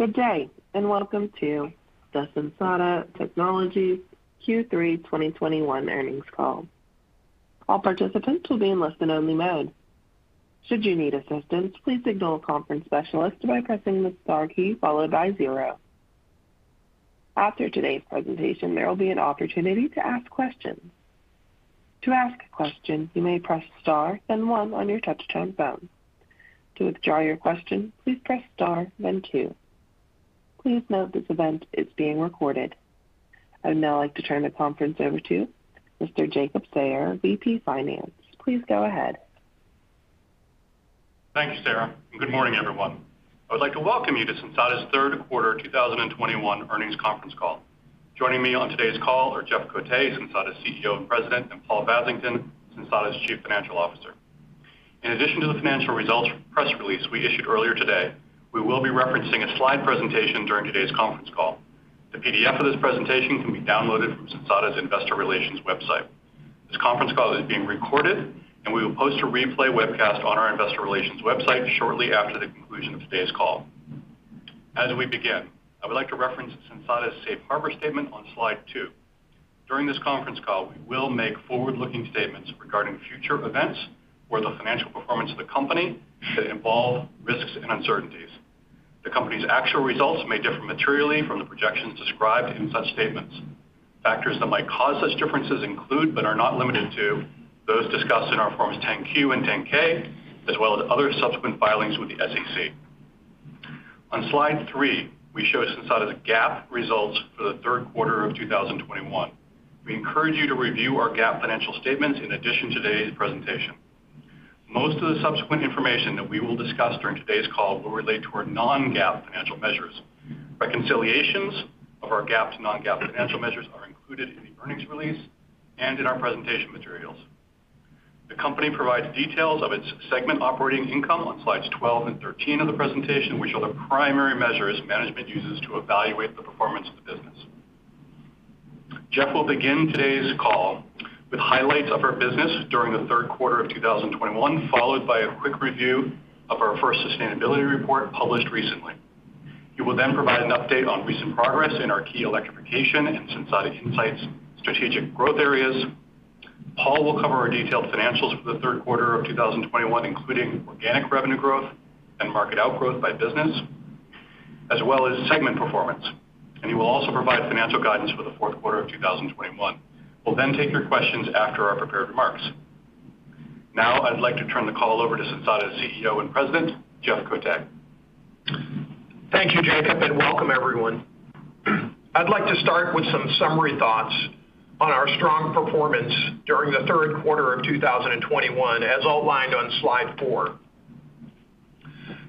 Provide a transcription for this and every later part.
Good day, and welcome to the Sensata Technologies Q3 2021 earnings call. All participants will be in listen-only mode. Should you need assistance, please signal a conference specialist by pressing the star key followed by zero. After today's presentation, there will be an opportunity to ask questions. To ask a question, you may press star then one on your touch-tone phone. To withdraw your question, please press star then two. Please note this event is being recorded. I would now like to turn the conference over to Mr. Jacob Sayer, VP Finance. Please go ahead. Thank you, Sarah, and good morning, everyone. I would like to welcome you to Sensata's third quarter 2021 earnings conference call. Joining me on today's call are Jeff Coté, Sensata's CEO and President, and Paul Vasington, Sensata's Chief Financial Officer. In addition to the financial results press release we issued earlier today, we will be referencing a slide presentation during today's conference call. The PDF of this presentation can be downloaded from Sensata's investor relations website. This conference call is being recorded, and we will post a replay webcast on our investor relations website shortly after the conclusion of today's call. As we begin, I would like to reference Sensata's Safe Harbor statement on slide two. During this conference call, we will make forward-looking statements regarding future events where the financial performance of the company could involve risks and uncertainties. The company's actual results may differ materially from the projections described in such statements. Factors that might cause such differences include, but are not limited to, those discussed in our forms 10-Q and 10-K, as well as other subsequent filings with the SEC. On slide 3, we show Sensata's GAAP results for the third quarter of 2021. We encourage you to review our GAAP financial statements in addition to today's presentation. Most of the subsequent information that we will discuss during today's call will relate to our non-GAAP financial measures. Reconciliations of our GAAP to non-GAAP financial measures are included in the earnings release and in our presentation materials. The company provides details of its segment operating income on slides 12 and 13 of the presentation, which are the primary measures management uses to evaluate the performance of the business. Jeff will begin today's call with highlights of our business during the third quarter of 2021, followed by a quick review of our first sustainability report published recently. He will then provide an update on recent progress in our key electrification and Sensata Insights strategic growth areas. Paul will cover our detailed financials for the third quarter of 2021, including organic revenue growth and market outgrowth by business, as well as segment performance. He will also provide financial guidance for the fourth quarter of 2021. We'll then take your questions after our prepared remarks. Now I'd like to turn the call over to Sensata's CEO and President, Jeff Coté. Thank you, Jacob, and welcome everyone. I'd like to start with some summary thoughts on our strong performance during the third quarter of 2021, as outlined on slide four.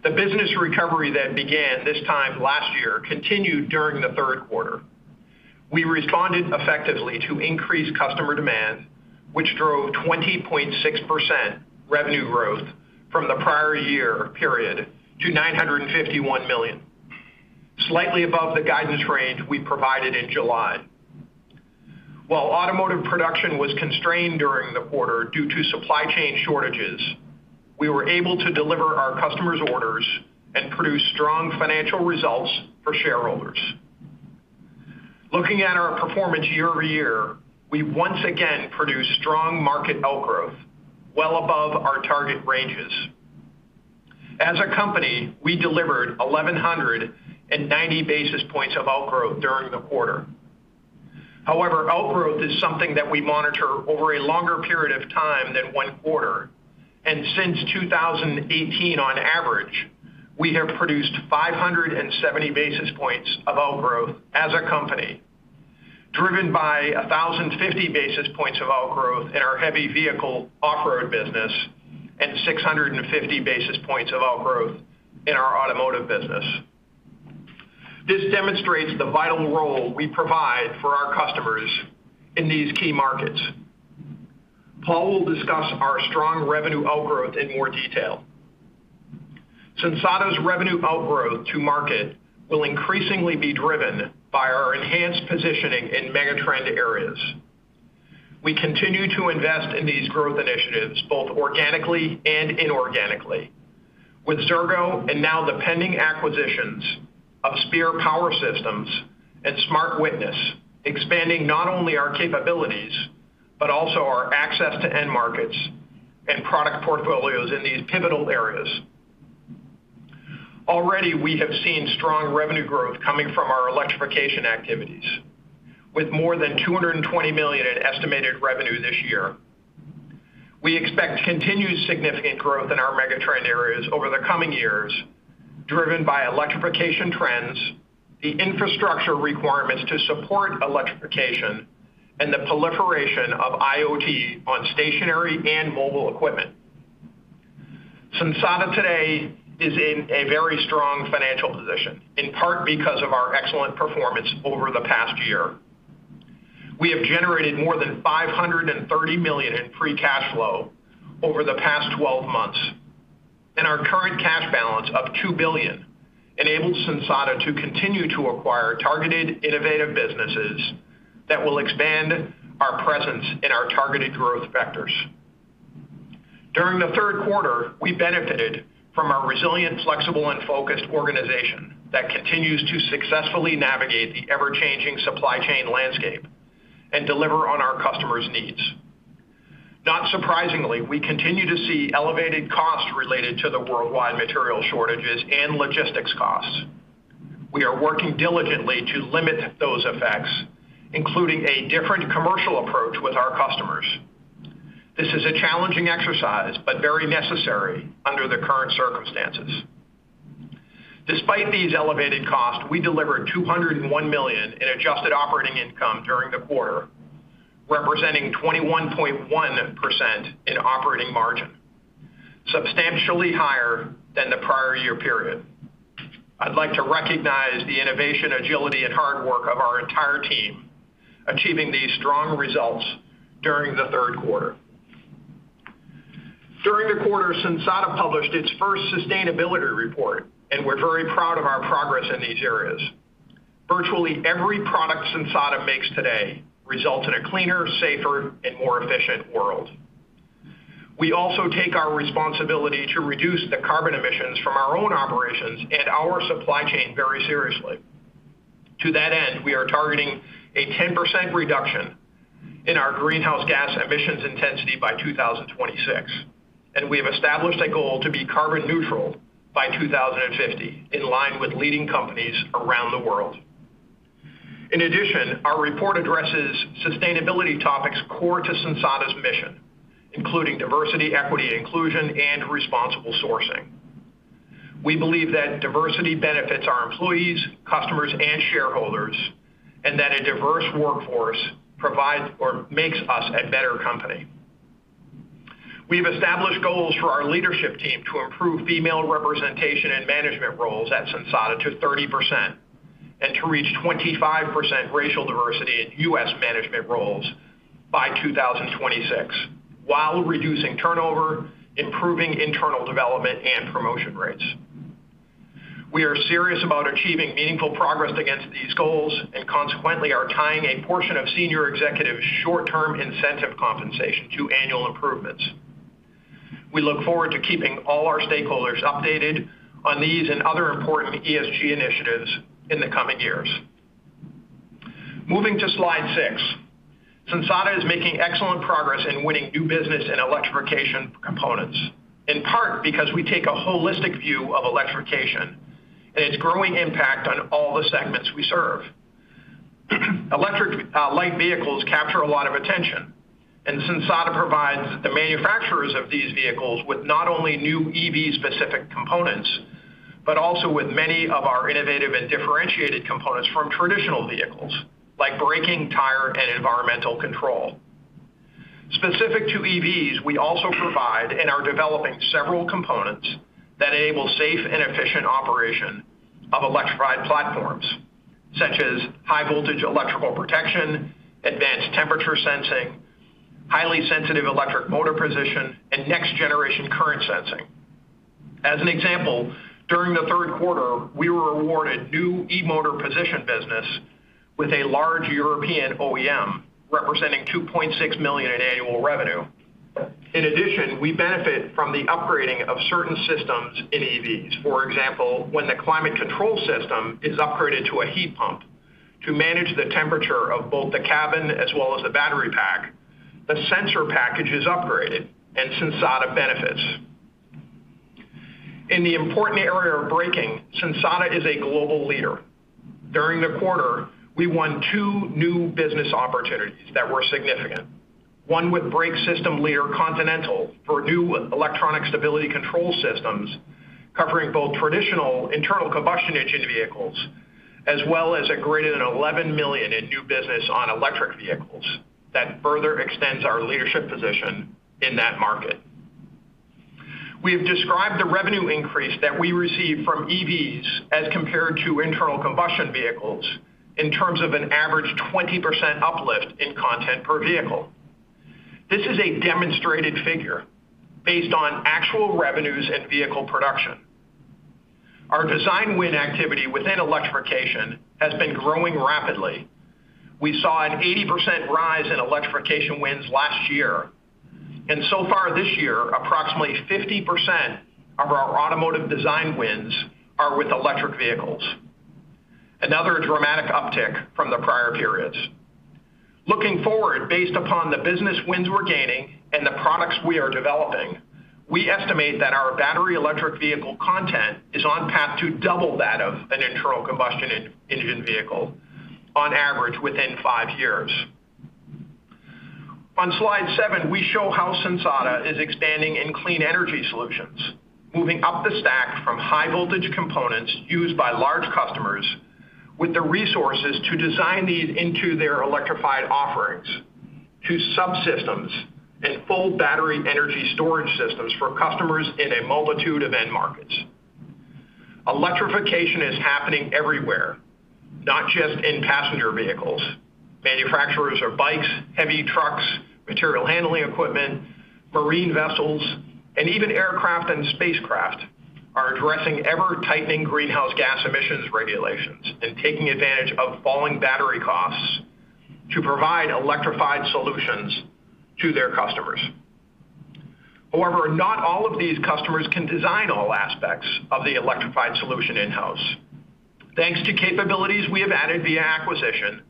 The business recovery that began this time last year continued during the third quarter. We responded effectively to increased customer demand, which drove 20.6% revenue growth from the prior year period to $951 million, slightly above the guidance range we provided in July. While automotive production was constrained during the quarter due to supply chain shortages, we were able to deliver our customers' orders and produce strong financial results for shareholders. Looking at our performance year-over-year, we once again produced strong market outgrowth well above our target ranges. As a company, we delivered 1,190 basis points of outgrowth during the quarter. However, outgrowth is something that we monitor over a longer period of time than one quarter, and since 2018, on average, we have produced 570 basis points of outgrowth as a company, driven by 1,050 basis points of outgrowth in our heavy vehicle off-road business and 650 basis points of outgrowth in our automotive business. This demonstrates the vital role we provide for our customers in these key markets. Paul will discuss our strong revenue outgrowth in more detail. Sensata's revenue outgrowth to market will increasingly be driven by our enhanced positioning in megatrend areas. We continue to invest in these growth initiatives both organically and inorganically. With Xirgo and now the pending acquisitions of Spear Power Systems and SmartWitness, expanding not only our capabilities but also our access to end markets and product portfolios in these pivotal areas. Already, we have seen strong revenue growth coming from our electrification activities. With more than $220 million in estimated revenue this year, we expect continued significant growth in our megatrend areas over the coming years, driven by electrification trends, the infrastructure requirements to support electrification, and the proliferation of IoT on stationary and mobile equipment. Sensata today is in a very strong financial position, in part because of our excellent performance over the past year. We have generated more than $530 million in free cash flow over the past 12 months, and our current cash balance of $2 billion enables Sensata to continue to acquire targeted, innovative businesses that will expand our presence in our targeted growth vectors. During the third quarter, we benefited from our resilient, flexible, and focused organization that continues to successfully navigate the ever-changing supply chain landscape and deliver on our customers' needs. Not surprisingly, we continue to see elevated costs related to the worldwide material shortages and logistics costs. We are working diligently to limit those effects, including a different commercial approach with our customers. This is a challenging exercise, but very necessary under the current circumstances. Despite these elevated costs, we delivered $201 million in adjusted operating income during the quarter, representing 21.1% in operating margin, substantially higher than the prior year period. I'd like to recognize the innovation, agility, and hard work of our entire team achieving these strong results during the third quarter. During the quarter, Sensata published its first sustainability report, and we're very proud of our progress in these areas. Virtually every product Sensata makes today results in a cleaner, safer, and more efficient world. We also take our responsibility to reduce the carbon emissions from our own operations and our supply chain very seriously. To that end, we are targeting a 10% reduction in our greenhouse gas emissions intensity by 2026, and we have established a goal to be carbon neutral by 2050, in line with leading companies around the world. In addition, our report addresses sustainability topics core to Sensata's mission, including diversity, equity, inclusion, and responsible sourcing. We believe that diversity benefits our employees, customers and shareholders, and that a diverse workforce provides or makes us a better company. We've established goals for our leadership team to improve female representation in management roles at Sensata to 30% and to reach 25% racial diversity in U.S. management roles by 2026 while reducing turnover, improving internal development and promotion rates. We are serious about achieving meaningful progress against these goals and consequently are tying a portion of senior executive short-term incentive compensation to annual improvements. We look forward to keeping all our stakeholders updated on these and other important ESG initiatives in the coming years. Moving to slide six. Sensata is making excellent progress in winning new business in electrification components, in part because we take a holistic view of electrification and its growing impact on all the segments we serve. Electric light vehicles capture a lot of attention, and Sensata provides the manufacturers of these vehicles with not only new EV specific components, but also with many of our innovative and differentiated components from traditional vehicles like braking, tire, and environmental control. Specific to EVs, we also provide and are developing several components that enable safe and efficient operation of electrified platforms such as high voltage electrical protection, advanced temperature sensing, highly sensitive electric motor position, and next generation current sensing. As an example, during the third quarter, we were awarded new e-motor position business with a large European OEM representing $2.6 million in annual revenue. In addition, we benefit from the upgrading of certain systems in EVs. For example, when the climate control system is upgraded to a heat pump to manage the temperature of both the cabin as well as the battery pack, the sensor package is upgraded and Sensata benefits. In the important area of braking, Sensata is a global leader. During the quarter, we won two new business opportunities that were significant. One with brake system leader Continental for new Electronic Stability Control systems covering both traditional internal combustion engine vehicles, as well as greater than $11 million in new business on electric vehicles that further extends our leadership position in that market. We have described the revenue increase that we receive from EVs as compared to internal combustion vehicles in terms of an average 20% uplift in content per vehicle. This is a demonstrated figure based on actual revenues and vehicle production. Our design win activity within electrification has been growing rapidly. We saw an 80% rise in electrification wins last year, and so far this year, approximately 50% of our automotive design wins are with electric vehicles. Another dramatic uptick from the prior periods. Looking forward, based upon the business wins we're gaining and the products we are developing, we estimate that our battery electric vehicle content is on path to double that of an internal combustion engine vehicle on average within five years. On slide seven, we show how Sensata is expanding in clean energy solutions, moving up the stack from high voltage components used by large customers with the resources to design these into their electrified offerings to subsystems and full battery energy storage systems for customers in a multitude of end markets. Electrification is happening everywhere, not just in passenger vehicles. Manufacturers of bikes, heavy trucks, material handling equipment, marine vessels, and even aircraft and spacecraft are addressing ever-tightening greenhouse gas emissions regulations and taking advantage of falling battery costs to provide electrified solutions to their customers. However, not all of these customers can design all aspects of the electrified solution in-house. Thanks to capabilities we have added via acquisition,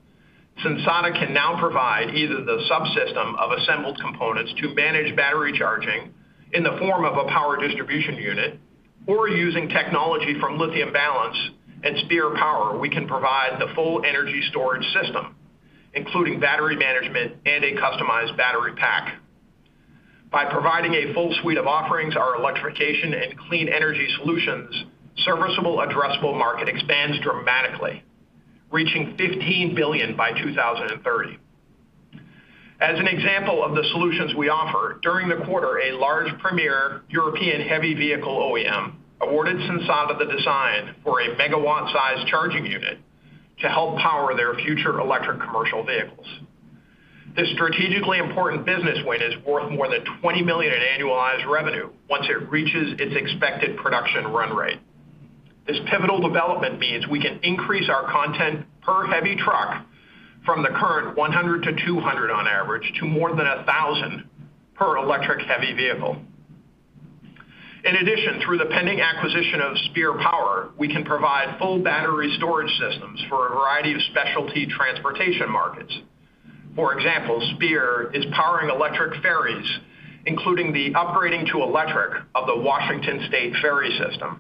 Sensata can now provide either the subsystem of assembled components to manage battery charging in the form of a power distribution unit or using technology from Lithium Balance and Spear Power, we can provide the full energy storage system, including battery management and a customized battery pack. By providing a full suite of offerings, our electrification and clean energy solutions serviceable addressable market expands dramatically, reaching $15 billion by 2030. As an example of the solutions we offer, during the quarter, a large premier European heavy vehicle OEM awarded Sensata the design for a megawatt-sized charging unit to help power their future electric commercial vehicles. This strategically important business win is worth more than $20 million in annualized revenue once it reaches its expected production run rate. This pivotal development means we can increase our content per heavy truck from the current 100-200 on average to more than 1,000 per electric heavy vehicle. In addition, through the pending acquisition of Spear Power, we can provide full battery storage systems for a variety of specialty transportation markets. For example, Spear is powering electric ferries, including the upgrading to electric of the Washington State ferry system.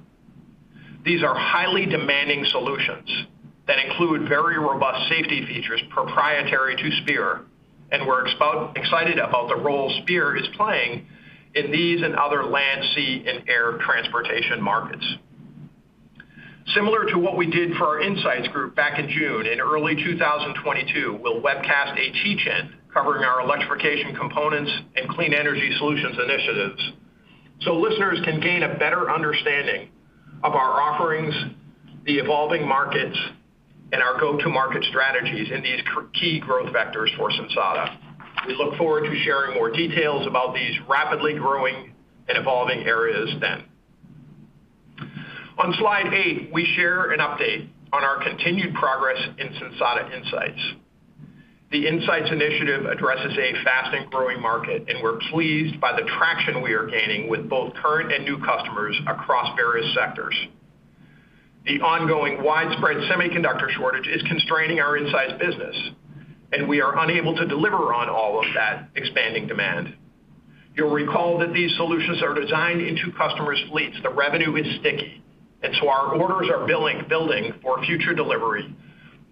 These are highly demanding solutions that include very robust safety features proprietary to Spear, and we're excited about the role Spear is playing in these and other land, sea, and air transportation markets. Similar to what we did for our Insights group back in June, in early 2022, we'll webcast a teach-in covering our electrification components and clean energy solutions initiatives so listeners can gain a better understanding of our offerings, the evolving markets, and our go-to-market strategies in these key growth vectors for Sensata Technologies. We look forward to sharing more details about these rapidly growing and evolving areas then. On slide eight, we share an update on our continued progress in Sensata Insights. The Insights initiative addresses a fast and growing market, and we're pleased by the traction we are gaining with both current and new customers across various sectors. The ongoing widespread semiconductor shortage is constraining our Insights business, and we are unable to deliver on all of that expanding demand. You'll recall that these solutions are designed into customers' fleets. The revenue is sticky, and our orders are building for future delivery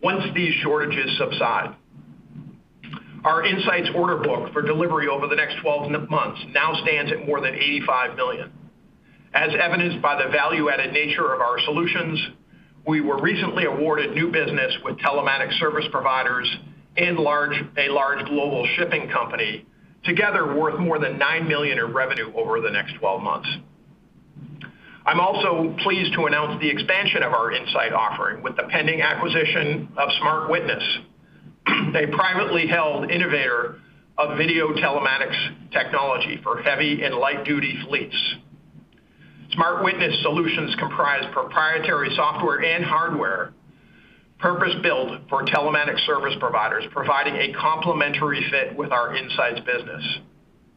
once these shortages subside. Our Insights order book for delivery over the next 12 months now stands at more than $85 million. As evidenced by the value-added nature of our solutions, we were recently awarded new business with telematics service providers and a large global shipping company together worth more than $9 million in revenue over the next 12 months. I'm also pleased to announce the expansion of our Insights offering with the pending acquisition of SmartWitness, a privately held innovator of video telematics technology for heavy and light-duty fleets. SmartWitness solutions comprise proprietary software and hardware, purpose-built for telematics service providers, providing a complementary fit with our Insights business.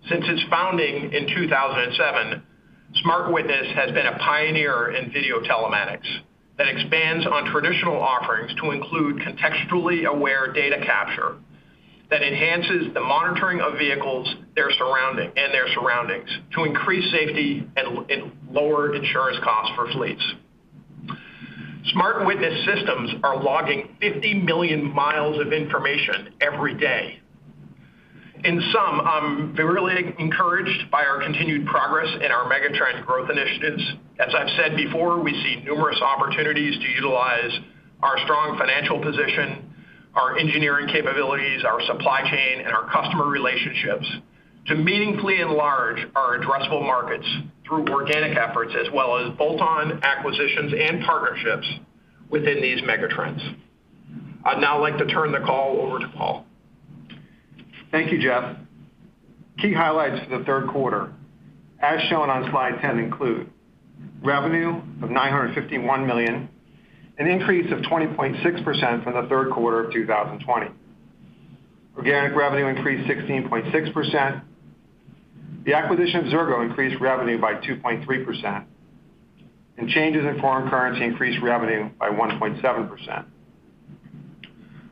Since its founding in 2007, SmartWitness has been a pioneer in video telematics that expands on traditional offerings to include contextually aware data capture that enhances the monitoring of vehicles, their surroundings to increase safety and lower insurance costs for fleets. SmartWitness systems are logging 50 million miles of information every day. In sum, I'm very encouraged by our continued progress in our megatrend growth initiatives. As I've said before, we see numerous opportunities to utilize our strong financial position, our engineering capabilities, our supply chain, and our customer relationships to meaningfully enlarge our addressable markets through organic efforts as well as bolt-on acquisitions and partnerships within these megatrends. I'd now like to turn the call over to Paul. Thank you, Jeff. Key highlights for the third quarter, as shown on slide 10, include revenue of $951 million, an increase of 20.6% from the third quarter of 2020. Organic revenue increased 16.6%. The acquisition of Xirgo increased revenue by 2.3%, and changes in foreign currency increased revenue by 1.7%.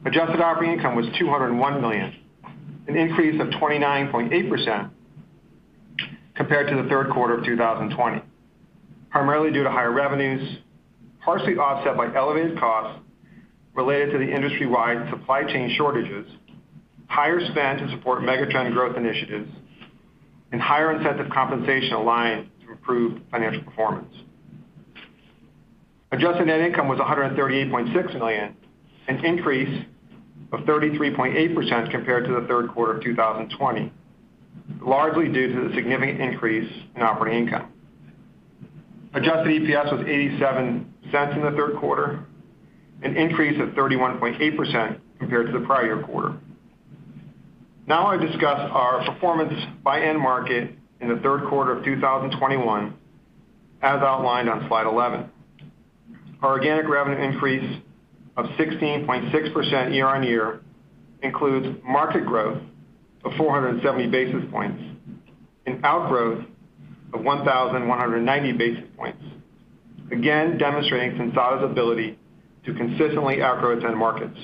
Adjusted operating income was $201 million, an increase of 29.8% compared to the third quarter of 2020, primarily due to higher revenues, partially offset by elevated costs related to the industry-wide supply chain shortages, higher spend to support megatrend growth initiatives, and higher incentive compensation aligned to improved financial performance. Adjusted net income was $138.6 million, an increase of 33.8% compared to the third quarter of 2020, largely due to the significant increase in operating income. Adjusted EPS was $0.87 in the third quarter, an increase of 31.8% compared to the prior quarter. Now I'll discuss our performance by end market in the third quarter of 2021, as outlined on slide 11. Our organic revenue increase of 16.6% year-on-year includes market growth of 470 basis points and outgrowth of 1,190 basis points, again demonstrating Sensata's ability to consistently outgrowth end markets.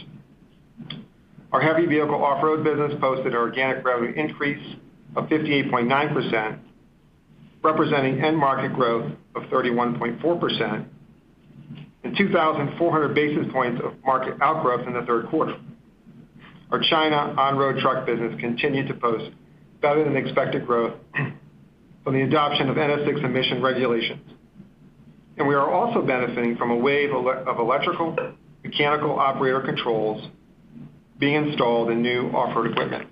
Our Heavy Vehicle Off-Road business posted organic revenue increase of 58.9%, representing end market growth of 31.4% and 2,400 basis points of market outgrowth in the third quarter. Our China on-road truck business continued to post better than expected growth from the adoption of NS VI emission regulations. We are also benefiting from a wave of electrical mechanical operator controls being installed in new off-road equipment.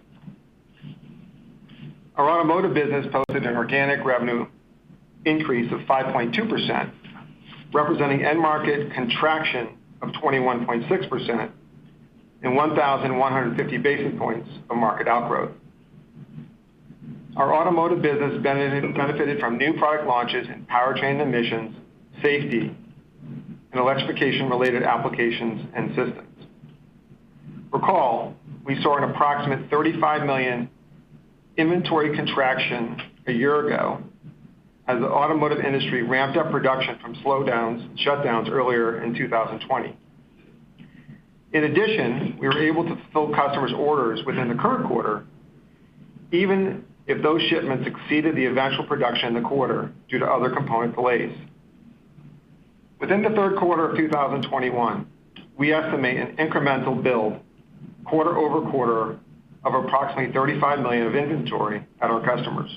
Our Automotive business posted an organic revenue increase of 5.2%, representing end market contraction of 21.6% and 1,150 basis points of market outgrowth. Our Automotive business benefited from new product launches in powertrain emissions, safety, and electrification related applications and systems. Recall, we saw an approximate $35 million inventory contraction a year ago as the automotive industry ramped up production from slowdowns and shutdowns earlier in 2020. In addition, we were able to fulfill customers' orders within the current quarter, even if those shipments exceeded the eventual production in the quarter due to other component delays. Within the third quarter of 2021, we estimate an incremental build quarter-over-quarter of approximately $35 million of inventory at our customers.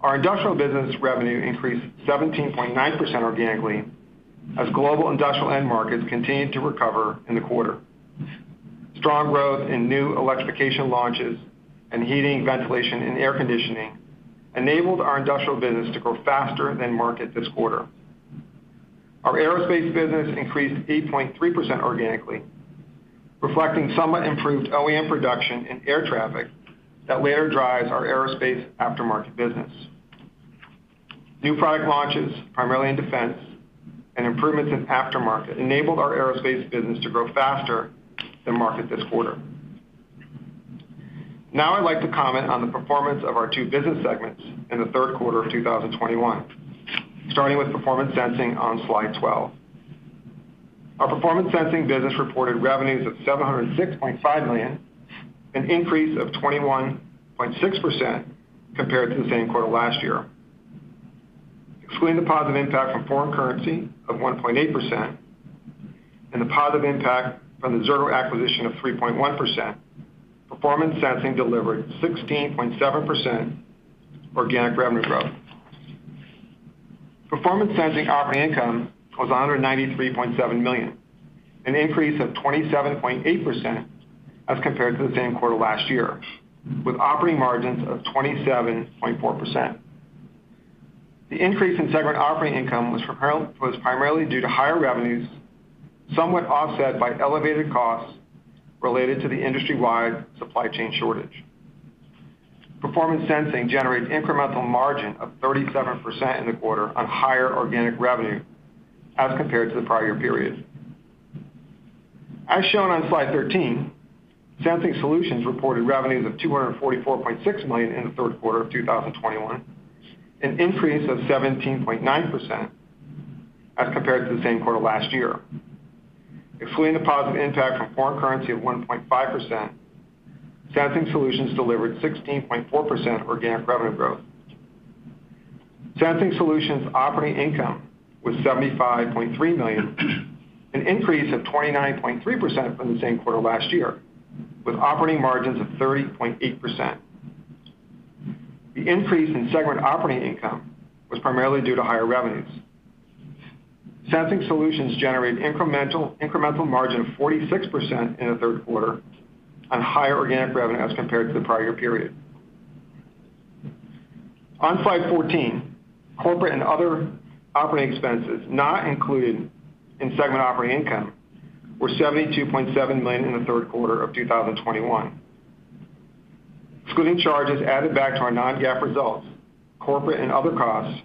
Our Industrial business revenue increased 17.9% organically as global industrial end markets continued to recover in the quarter. Strong growth in new electrification launches and heating, ventilation, and air conditioning enabled our Industrial business to grow faster than market this quarter. Our Aerospace business increased 8.3% organically, reflecting somewhat improved OEM production in aircraft that later drives our aerospace aftermarket business. New product launches, primarily in defense and improvements in aftermarket, enabled our Aerospace business to grow faster than market this quarter. Now I'd like to comment on the performance of our two business segments in the third quarter of 2021, starting with Performance Sensing on slide 12. Our Performance Sensing business reported revenues of $706.5 million, an increase of 21.6% compared to the same quarter last year. Excluding the positive impact from foreign currency of 1.8% and the positive impact from the Xirgo acquisition of 3.1%, Performance Sensing delivered 16.7% organic revenue growth. Performance Sensing operating income was $193.7 million, an increase of 27.8% as compared to the same quarter last year, with operating margins of 27.4%. The increase in segment operating income was primarily due to higher revenues, somewhat offset by elevated costs related to the industry-wide supply chain shortage. Performance Sensing generated incremental margin of 37% in the quarter on higher organic revenue as compared to the prior period. As shown on slide 13, Sensing Solutions reported revenues of $244.6 million in the third quarter of 2021, an increase of 17.9% as compared to the same quarter last year. Excluding the positive impact from foreign currency of 1.5%, Sensing Solutions delivered 16.4% organic revenue growth. Sensing Solutions operating income was $75.3 million, an increase of 29.3% from the same quarter last year, with operating margins of 30.8%. The increase in segment operating income was primarily due to higher revenues. Sensing Solutions generated incremental margin of 46% in the third quarter on higher organic revenue as compared to the prior period. On slide 14, corporate and other operating expenses not included in segment operating income were $72.7 million in the third quarter of 2021. Excluding charges added back to our non-GAAP results, corporate and other costs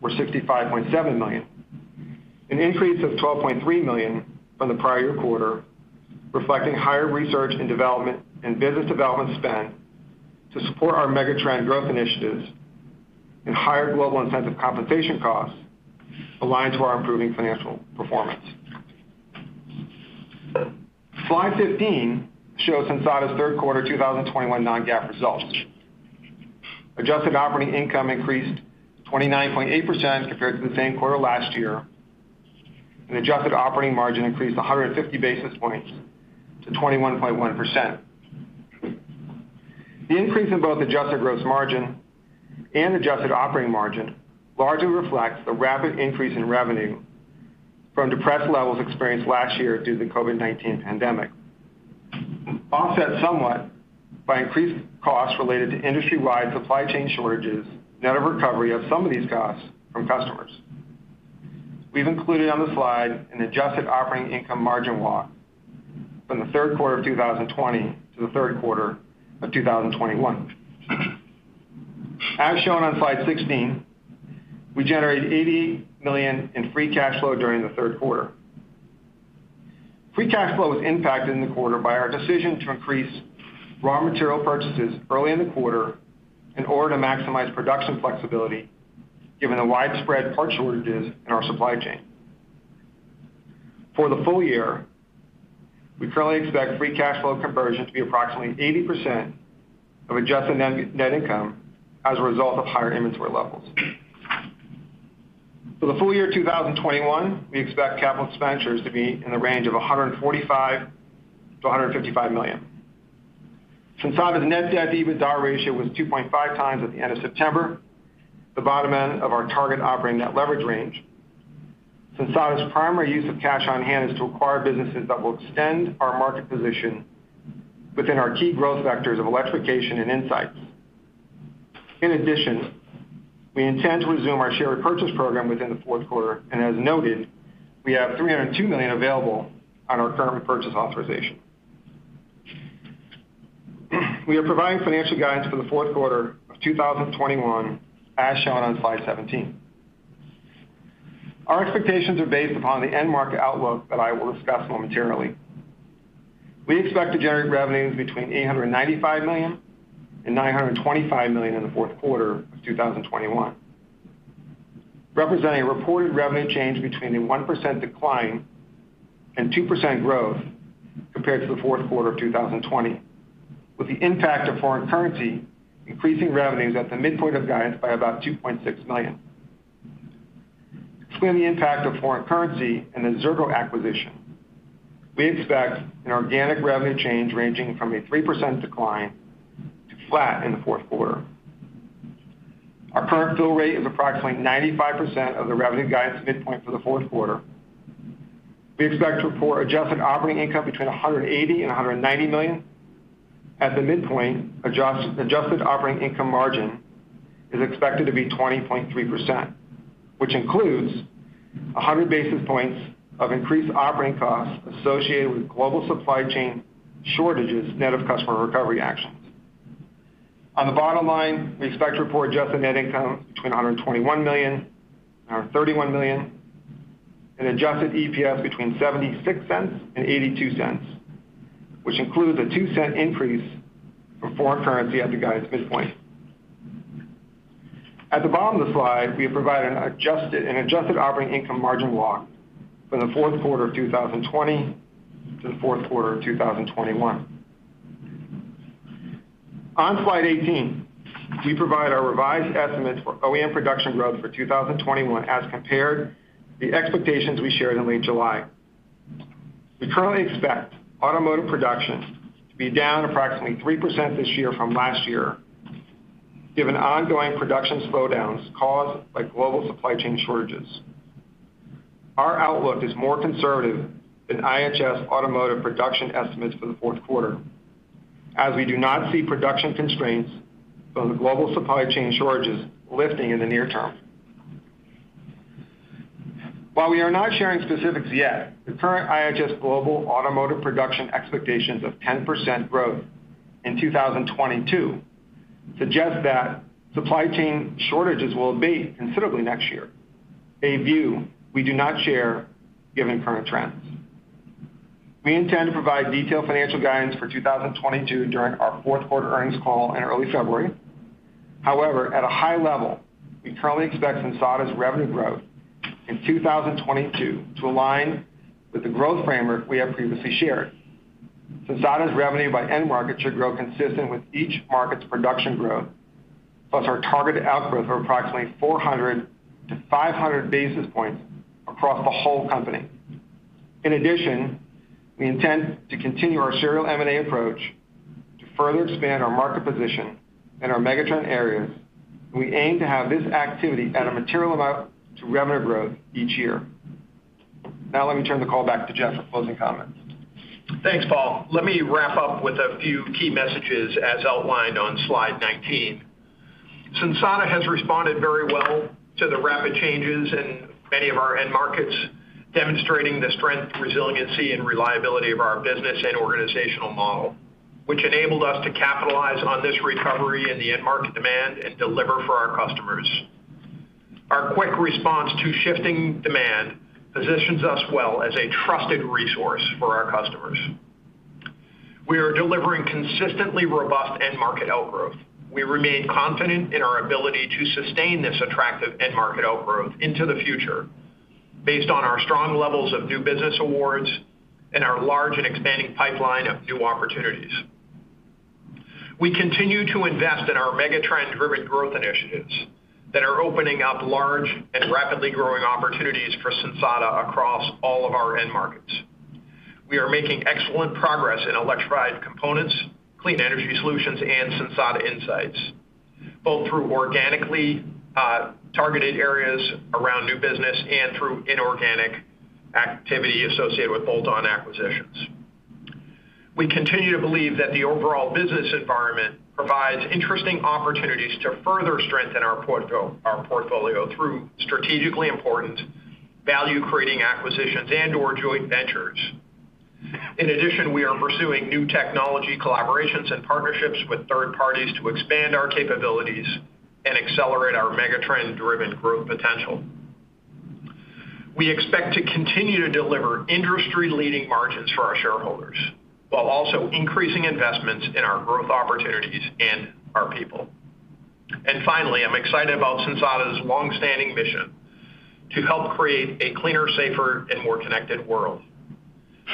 were $65.7 million, an increase of $12.3 million from the prior year quarter, reflecting higher research and development and business development spend to support our megatrend growth initiatives and higher global incentive compensation costs aligned to our improving financial performance. Slide 15 shows Sensata's third quarter 2021 non-GAAP results. Adjusted operating income increased 29.8% compared to the same quarter last year, and adjusted operating margin increased 150 basis points to 21.1%. The increase in both adjusted gross margin and adjusted operating margin largely reflects the rapid increase in revenue from depressed levels experienced last year due to the COVID-19 pandemic, offset somewhat by increased costs related to industry-wide supply chain shortages, net of recovery of some of these costs from customers. We've included on the slide an adjusted operating income margin walk from the third quarter of 2020 to the third quarter of 2021. As shown on slide 16, we generated $80 million in free cash flow during the third quarter. Free cash flow was impacted in the quarter by our decision to increase raw material purchases early in the quarter in order to maximize production flexibility, given the widespread part shortages in our supply chain. For the full year, we currently expect free cash flow conversion to be approximately 80% of adjusted net income as a result of higher inventory levels. For the full year 2021, we expect capital expenditures to be in the range of $145 million-$155 million. Sensata's net debt-to-EBITDA ratio was 2.5x at the end of September, the bottom end of our target operating net leverage range. Sensata's primary use of cash on hand is to acquire businesses that will extend our market position within our key growth vectors of electrification and insights. In addition, we intend to resume our share repurchase program within the fourth quarter, and as noted, we have $302 million available on our current purchase authorization. We are providing financial guidance for the fourth quarter of 2021 as shown on slide 17. Our expectations are based upon the end market outlook that I will discuss more materially. We expect to generate revenues between $895 million-$925 million in the fourth quarter of 2021, representing a reported revenue change between a 1% decline and 2% growth compared to the fourth quarter of 2020, with the impact of foreign currency increasing revenues at the midpoint of guidance by about $2.6 million. Excluding the impact of foreign currency and the Xirgo acquisition, we expect an organic revenue change ranging from a 3% decline to flat in the fourth quarter. Our current fill rate is approximately 95% of the revenue guidance midpoint for the fourth quarter. We expect to report adjusted operating income between $180 million and $190 million. At the midpoint, adjusted operating income margin is expected to be 20.3%, which includes 100 basis points of increased operating costs associated with global supply chain shortages, net of customer recovery actions. On the bottom line, we expect to report adjusted net income between $121 million and $131 million, and adjusted EPS between $0.76 and $0.82, which includes a 2-cent increase from foreign currency at the guidance midpoint. At the bottom of the slide, we have provided an adjusted operating income margin walk from the fourth quarter of 2020 to the fourth quarter of 2021. On slide 18, we provide our revised estimates for OEM production growth for 2021 as compared to the expectations we shared in late July. We currently expect automotive production to be down approximately 3% this year from last year, given ongoing production slowdowns caused by global supply chain shortages. Our outlook is more conservative than IHS automotive production estimates for the fourth quarter, as we do not see production constraints from the global supply chain shortages lifting in the near term. While we are not sharing specifics yet, the current IHS global automotive production expectations of 10% growth in 2022 suggests that supply chain shortages will abate considerably next year, a view we do not share given current trends. We intend to provide detailed financial guidance for 2022 during our fourth quarter earnings call in early February. However, at a high level, we currently expect Sensata's revenue growth in 2022 to align with the growth framework we have previously shared. Sensata's revenue by end market should grow consistent with each market's production growth, plus our targeted outgrowth of approximately 400-500 basis points across the whole company. In addition, we intend to continue our serial M&A approach to further expand our market position in our megatrend areas. We aim to have this activity add a material amount to revenue growth each year. Now let me turn the call back to Jeff for closing comments. Thanks, Paul. Let me wrap up with a few key messages as outlined on slide 19. Sensata has responded very well to the rapid changes in many of our end markets, demonstrating the strength, resiliency, and reliability of our business and organizational model, which enabled us to capitalize on this recovery in the end market demand and deliver for our customers. Our quick response to shifting demand positions us well as a trusted resource for our customers. We are delivering consistently robust end market outgrowth. We remain confident in our ability to sustain this attractive end market outgrowth into the future based on our strong levels of new business awards and our large and expanding pipeline of new opportunities. We continue to invest in our megatrend-driven growth initiatives that are opening up large and rapidly growing opportunities for Sensata across all of our end markets. We are making excellent progress in electrified components, clean energy solutions, and Sensata Insights, both through organically targeted areas around new business and through inorganic activity associated with bolt-on acquisitions. We continue to believe that the overall business environment provides interesting opportunities to further strengthen our portfolio through strategically important value-creating acquisitions and/or joint ventures. In addition, we are pursuing new technology collaborations and partnerships with third parties to expand our capabilities and accelerate our megatrend-driven growth potential. We expect to continue to deliver industry-leading margins for our shareholders while also increasing investments in our growth opportunities and our people. Finally, I'm excited about Sensata's long-standing mission to help create a cleaner, safer, and more connected world,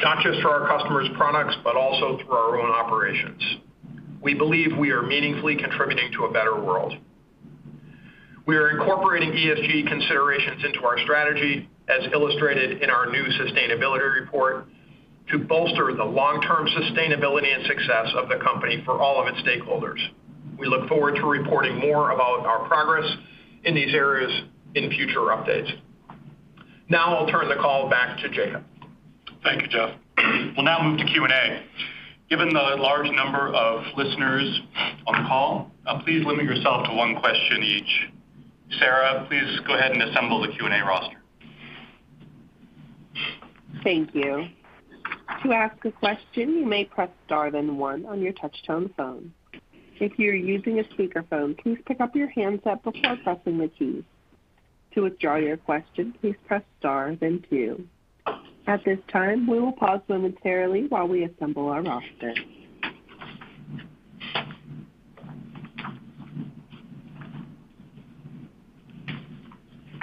not just for our customers' products, but also through our own operations. We believe we are meaningfully contributing to a better world. We are incorporating ESG considerations into our strategy as illustrated in our new sustainability report to bolster the long-term sustainability and success of the company for all of its stakeholders. We look forward to reporting more about our progress in these areas in future updates. Now I'll turn the call back to Jacob. Thank you, Jeff. We'll now move to Q&A. Given the large number of listeners on the call, please limit yourself to one question each. Sarah, please go ahead and assemble the Q&A roster.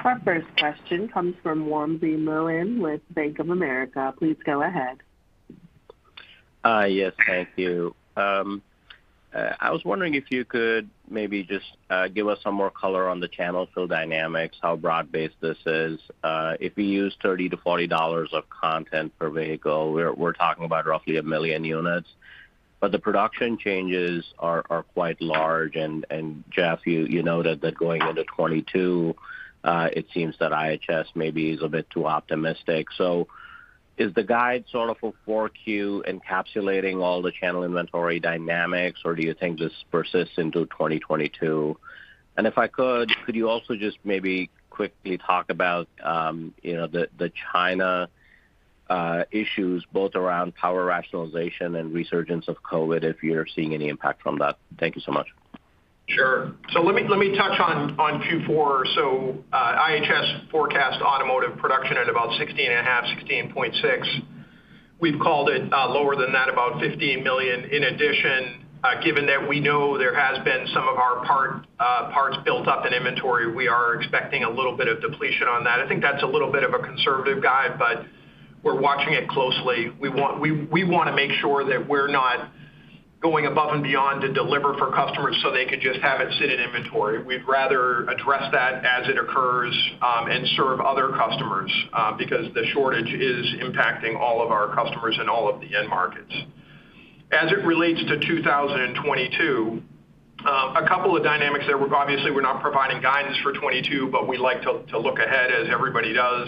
Our first question comes from Wamsi Mohan with Bank of America. Please go ahead. Yes, thank you. I was wondering if you could maybe just give us some more color on the channel fill dynamics, how broad-based this is. If we use $30-$40 of content per vehicle, we're talking about roughly 1 million units. The production changes are quite large. Jeff, you know that going into 2022, it seems that IHS maybe is a bit too optimistic. Is the guide sort of a 4Q encapsulating all the channel inventory dynamics, or do you think this persists into 2022? If I could you also just maybe quickly talk about you know the China issues both around power rationalization and resurgence of COVID, if you're seeing any impact from that. Thank you so much. Sure. Let me touch on Q4. IHS forecast automotive production at about 16.5, 16.6. We've called it lower than that, about 15 million. In addition, given that we know there has been some of our parts built up in inventory, we are expecting a little bit of depletion on that. I think that's a little bit of a conservative guide, but we're watching it closely. We want, we wanna make sure that we're not going above and beyond to deliver for customers so they could just have it sit in inventory. We'd rather address that as it occurs and serve other customers because the shortage is impacting all of our customers in all of the end markets. As it relates to 2022, a couple of dynamics there. Obviously, we're not providing guidance for 2022, but we like to look ahead as everybody does.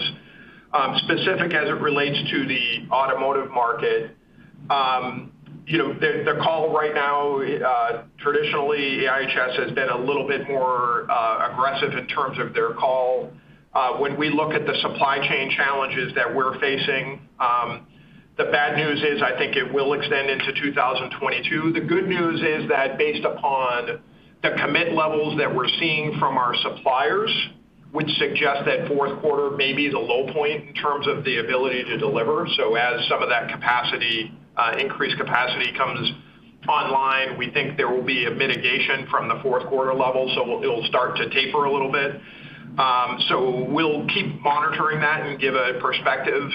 Specific as it relates to the automotive market, you know, the call right now, traditionally IHS has been a little bit more aggressive in terms of their call. When we look at the supply chain challenges that we're facing, the bad news is I think it will extend into 2022. The good news is that based upon the commit levels that we're seeing from our suppliers, which suggest that fourth quarter maybe is a low point in terms of the ability to deliver. As some of that capacity, increased capacity comes online, we think there will be a mitigation from the fourth quarter level, so it'll start to taper a little bit. We'll keep monitoring that and give a perspective,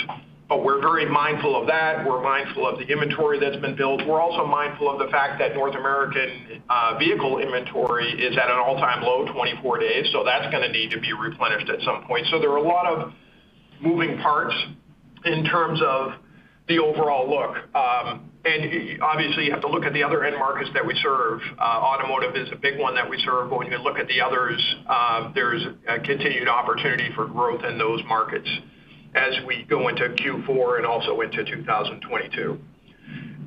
but we're very mindful of that. We're mindful of the inventory that's been built. We're also mindful of the fact that North American vehicle inventory is at an all-time low 24 days, so that's gonna need to be replenished at some point. There are a lot of moving parts in terms of the overall look. Obviously, you have to look at the other end markets that we serve. Automotive is a big one that we serve. When you look at the others, there's a continued opportunity for growth in those markets as we go into Q4 and also into 2022.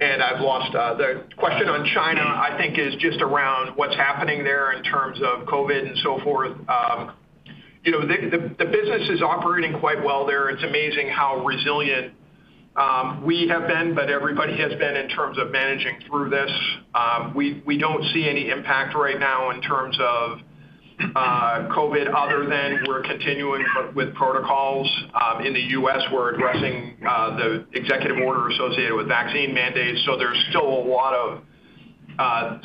I've lost the question on China, I think it's just around what's happening there in terms of COVID and so forth. You know, the business is operating quite well there. It's amazing how resilient we have been, but everybody has been in terms of managing through this. We don't see any impact right now in terms of COVID other than we're continuing with protocols. In the U.S., we're addressing the executive order associated with vaccine mandates. There's still a lot of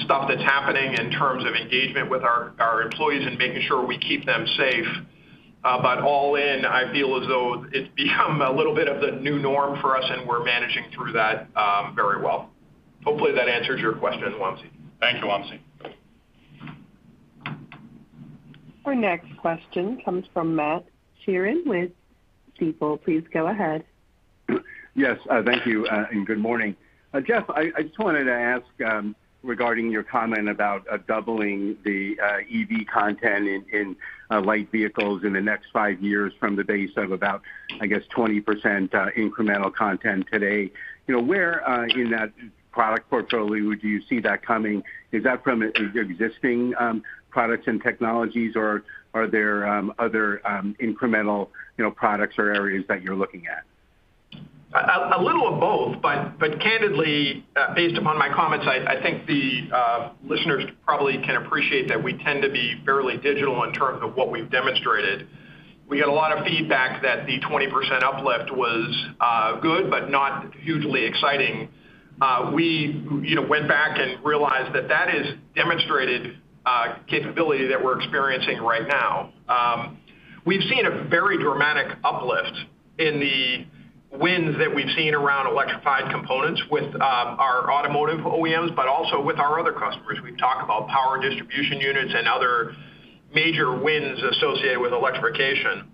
stuff that's happening in terms of engagement with our employees and making sure we keep them safe. All in, I feel as though it's become a little bit of the new norm for us and we're managing through that very well. Hopefully that answers your question, Wamsi. Thanks, Wamsi. Our next question comes from Matt Sheerin with Stifel. Please go ahead. Yes, thank you, and good morning. Jeff, I just wanted to ask regarding your comment about doubling the EV content in light vehicles in the next five years from the base of about, I guess 20% incremental content today. You know, where in that product portfolio would you see that coming? Is that from existing products and technologies, or are there other incremental, you know, products or areas that you're looking at? A little of both, but candidly, based upon my comments, I think the listeners probably can appreciate that we tend to be fairly digital in terms of what we've demonstrated. We get a lot of feedback that the 20% uplift was good, but not hugely exciting. We, you know, went back and realized that that is demonstrated capability that we're experiencing right now. We've seen a very dramatic uplift in the wins that we've seen around electrified components with our automotive OEMs, but also with our other customers. We've talked about Power Distribution Units and other major wins associated with electrification.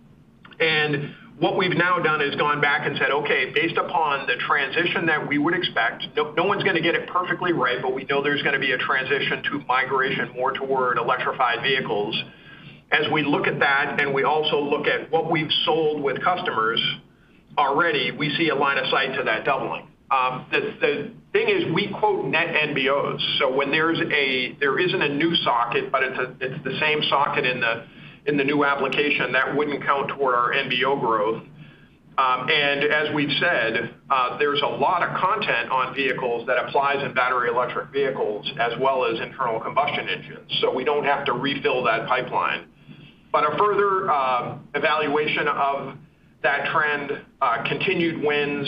What we've now done is gone back and said, "Okay, based upon the transition that we would expect." No one's gonna get it perfectly right, but we know there's gonna be a transition to migration more toward electrified vehicles. As we look at that, and we also look at what we've sold with customers already, we see a line of sight to that doubling. The thing is we quote net NBOs. When there isn't a new socket, but it's the same socket in the new application, that wouldn't count toward our NBO growth. As we've said, there's a lot of content on vehicles that applies in battery electric vehicles as well as internal combustion engines, so we don't have to refill that pipeline. A further evaluation of that trend, continued wins,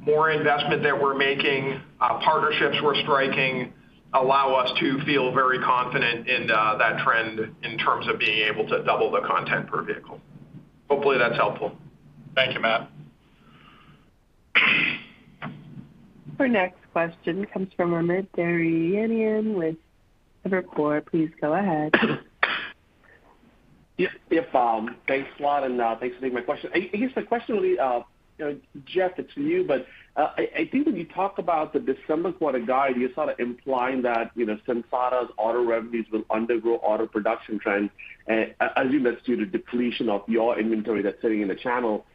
more investment that we're making, partnerships we're striking allow us to feel very confident in that trend in terms of being able to double the content per vehicle. Hopefully, that's helpful. Thank you, Matt. Our next question comes from Amit Daryanani with Evercore. Please go ahead. Yes, yep, thanks a lot and thanks for taking my question. I guess the question really, you know, Jeff, it's to you, but I think when you talk about the December quarter guide, you're sort of implying that, you know, Sensata's auto revenues will undergrow auto production trends. I assume that's due to depletion of your inventory that's sitting in the channel.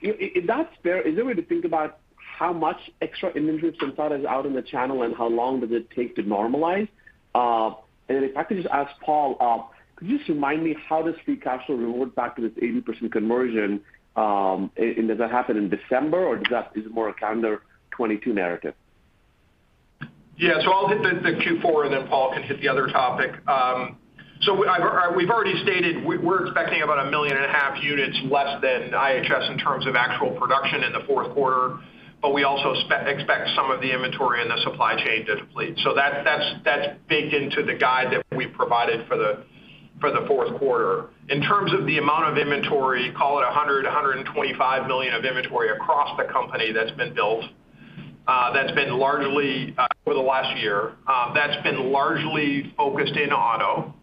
If that's fair, is there a way to think about how much extra inventory Sensata has out in the channel, and how long does it take to normalize? If I could just ask Paul, could you just remind me how does free cash flow convert back to this 80% conversion, and does that happen in December, or is it more a calendar 2022 narrative? Yeah. I'll hit the Q4, and then Paul can hit the other topic. We've already stated we're expecting about 1.5 million units less than IHS in terms of actual production in the fourth quarter, but we also expect some of the inventory in the supply chain to deplete. That's baked into the guide that we provided for the fourth quarter. In terms of the amount of inventory, call it $125 million of inventory across the company that's been built, that's been largely over the last year, that's been largely focused in auto.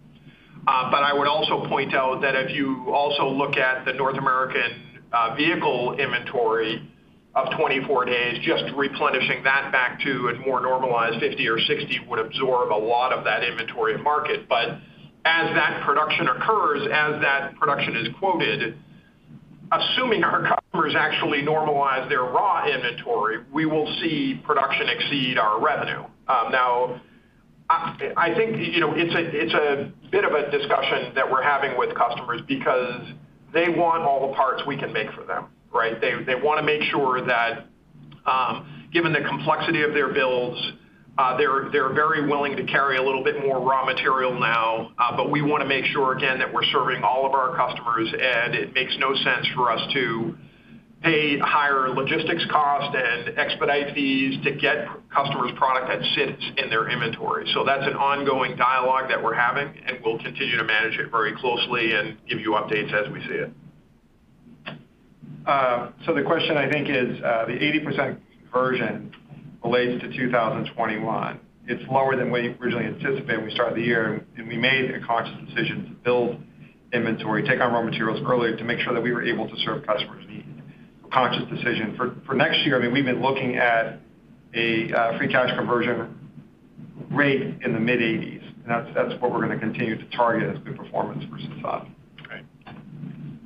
I would also point out that if you also look at the North American vehicle inventory of 24 days, just replenishing that back to a more normalized 50 or 60 would absorb a lot of that inventory market. As that production occurs, as that production is quoted, assuming our customers actually normalize their raw inventory, we will see production exceed our revenue. Now I think, you know, it's a bit of a discussion that we're having with customers because they want all the parts we can make for them, right. They wanna make sure that given the complexity of their builds, they're very willing to carry a little bit more raw material now. We wanna make sure again that we're serving all of our customers, and it makes no sense for us to pay higher logistics cost and expedite fees to get customers' product that sits in their inventory. That's an ongoing dialogue that we're having, and we'll continue to manage it very closely and give you updates as we see it. The question I think is, the 80% conversion relates to 2021. It's lower than what you originally anticipated when we started the year, and we made a conscious decision to build inventory, take on raw materials earlier to make sure that we were able to serve customers' needs. For next year, I mean, we've been looking at a free cash conversion rate in the mid-80s, and that's what we're gonna continue to target as good performance versus thought. Okay.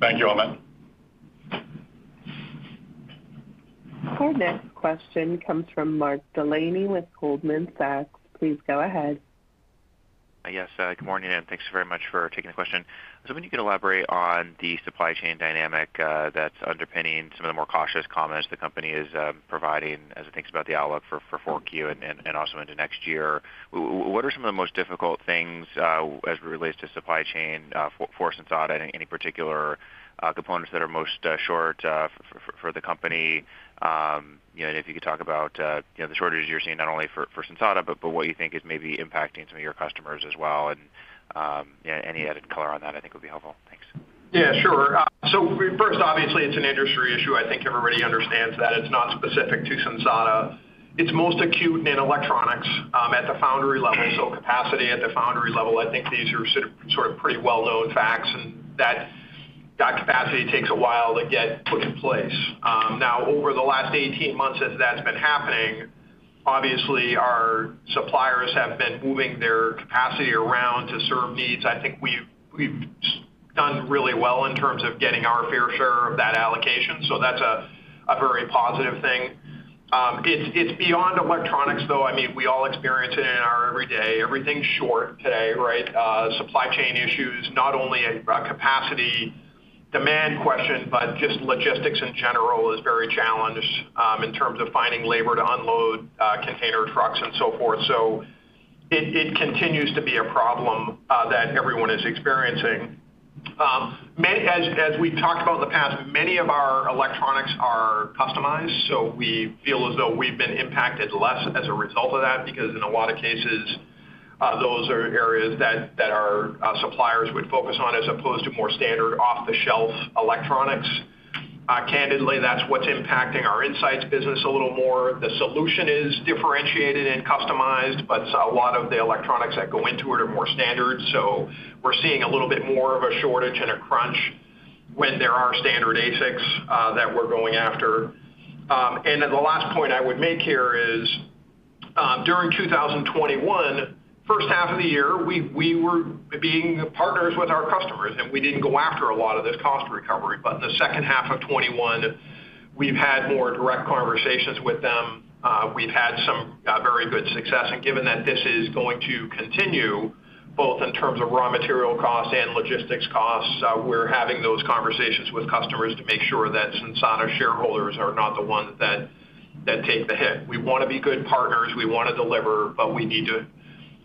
Thank you all, Matt. Our next question comes from Mark Delaney with Goldman Sachs. Please go ahead. Yes, good morning, and thanks very much for taking the question. Maybe you can elaborate on the supply chain dynamic that's underpinning some of the more cautious comments the company is providing as it thinks about the outlook for 4Q and also into next year. What are some of the most difficult things as it relates to supply chain for Sensata? Any particular components that are most short for the company? You know, and if you could talk about you know, the shortages you're seeing not only for Sensata, but what you think is maybe impacting some of your customers as well. Yeah, any added color on that I think would be helpful. Thanks. Yeah, sure. First, obviously it's an industry issue. I think everybody understands that it's not specific to Sensata. It's most acute in electronics, at the foundry level. Capacity at the foundry level, I think these are sort of pretty well-known facts, and that capacity takes a while to get put in place. Now over the last 18 months as that's been happening, obviously our suppliers have been moving their capacity around to serve needs. I think we've done really well in terms of getting our fair share of that allocation. That's a very positive thing. It's beyond electronics though. I mean, we all experience it in our every day. Everything's short today, right? Supply chain issues, not only a capacity demand question, but just logistics in general, is very challenged in terms of finding labor to unload container trucks and so forth. It continues to be a problem that everyone is experiencing. As we've talked about in the past, many of our electronics are customized, so we feel as though we've been impacted less as a result of that because in a lot of cases, those are areas that our suppliers would focus on as opposed to more standard off-the-shelf electronics. Candidly, that's what's impacting our Insights business a little more. The solution is differentiated and customized, but a lot of the electronics that go into it are more standard. We're seeing a little bit more of a shortage and a crunch when there are standard ASICs that we're going after. The last point I would make here is during 2021, first half of the year, we were being partners with our customers, and we didn't go after a lot of this cost recovery. The second half of 2021, we've had more direct conversations with them. We've had some very good success. Given that this is going to continue, both in terms of raw material costs and logistics costs, we're having those conversations with customers to make sure that Sensata shareholders are not the ones that take the hit. We wanna be good partners. We wanna deliver, but we need to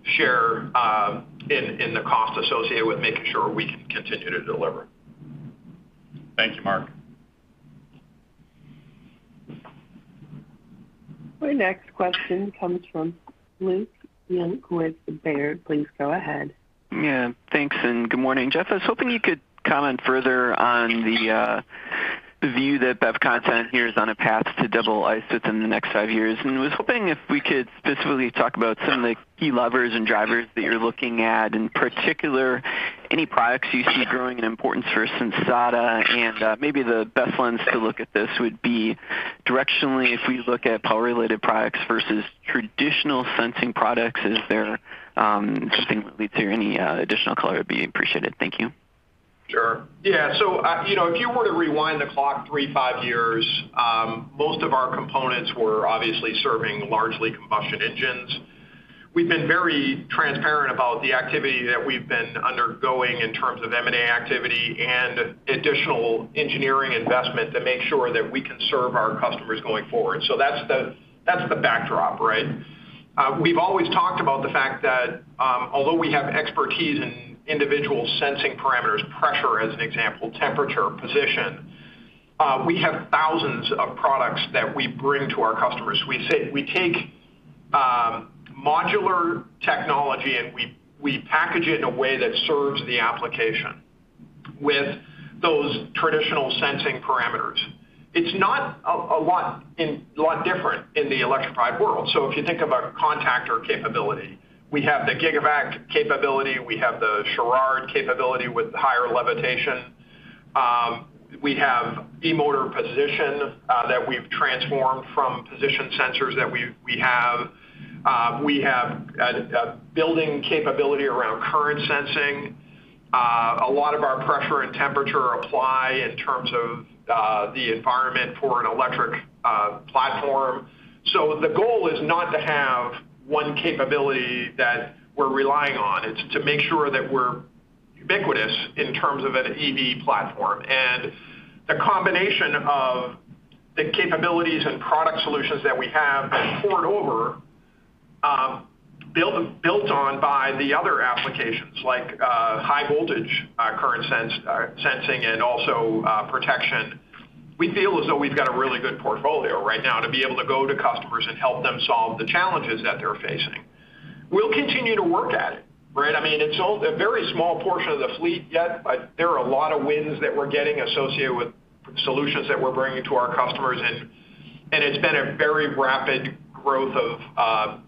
share in the cost associated with making sure we can continue to deliver. Thank you, Mark. Our next question comes from Luke Junk with Baird. Please go ahead. Yeah. Thanks, and good morning. Jeff, I was hoping you could comment further on the view that BEV content here is on a path to double its EBIT in the next five years. I was hoping if we could specifically talk about some of the key levers and drivers that you're looking at. In particular, any products you see growing in importance for Sensata. Maybe the best lens to look at this would be directionally, if we look at power-related products versus traditional sensing products, is there something that leads here? Any additional color would be appreciated. Thank you. Sure. Yeah. You know, if you were to rewind the clock three to five years, most of our components were obviously serving largely combustion engines. We've been very transparent about the activity that we've been undergoing in terms of M&A activity and additional engineering investment to make sure that we can serve our customers going forward. That's the backdrop, right? We've always talked about the fact that, although we have expertise in individual sensing parameters, pressure as an example, temperature, position, we have thousands of products that we bring to our customers. We say we take modular technology, and we package it in a way that serves the application with those traditional sensing parameters. It's not a lot different in the electrified world. If you think of our contactor capability, we have the Gigavac capability. We have the Gigavac capability with high voltage. We have e-motor position that we've transformed from position sensors that we have. We have a building capability around current sensing. A lot of our pressure and temperature apply in terms of the environment for an electric platform. The goal is not to have one capability that we're relying on. It's to make sure that we're ubiquitous in terms of an EV platform. The combination of the capabilities and product solutions that we have that poured over, built on by the other applications like high voltage, current sensing and also protection. We feel as though we've got a really good portfolio right now to be able to go to customers and help them solve the challenges that they're facing. We'll continue to work at it, right? I mean, it's a very small portion of the fleet yet, but there are a lot of wins that we're getting associated with solutions that we're bringing to our customers. It's been a very rapid growth of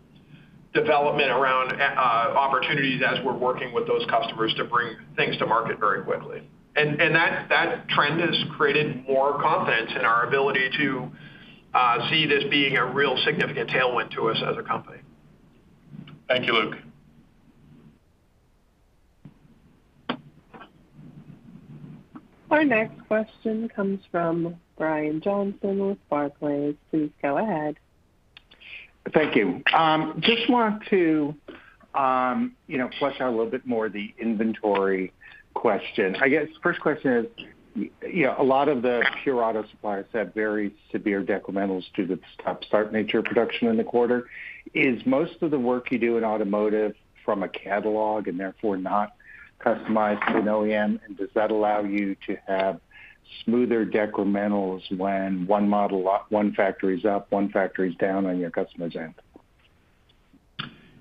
development around opportunities as we're working with those customers to bring things to market very quickly. That trend has created more confidence in our ability to see this being a real significant tailwind to us as a company. Thank you, Luke. Our next question comes from Brian Johnson with Barclays. Please go ahead. Thank you. I just want to, you know, flesh out a little bit more the inventory question. I guess first question is, you know, a lot of the pure auto suppliers have very severe decrementals due to the stop-start nature of production in the quarter. Is most of the work you do in automotive from a catalog and therefore not customized to an OEM? And does that allow you to have smoother decrementals when one model, one factory is up, one factory is down on your customer's end?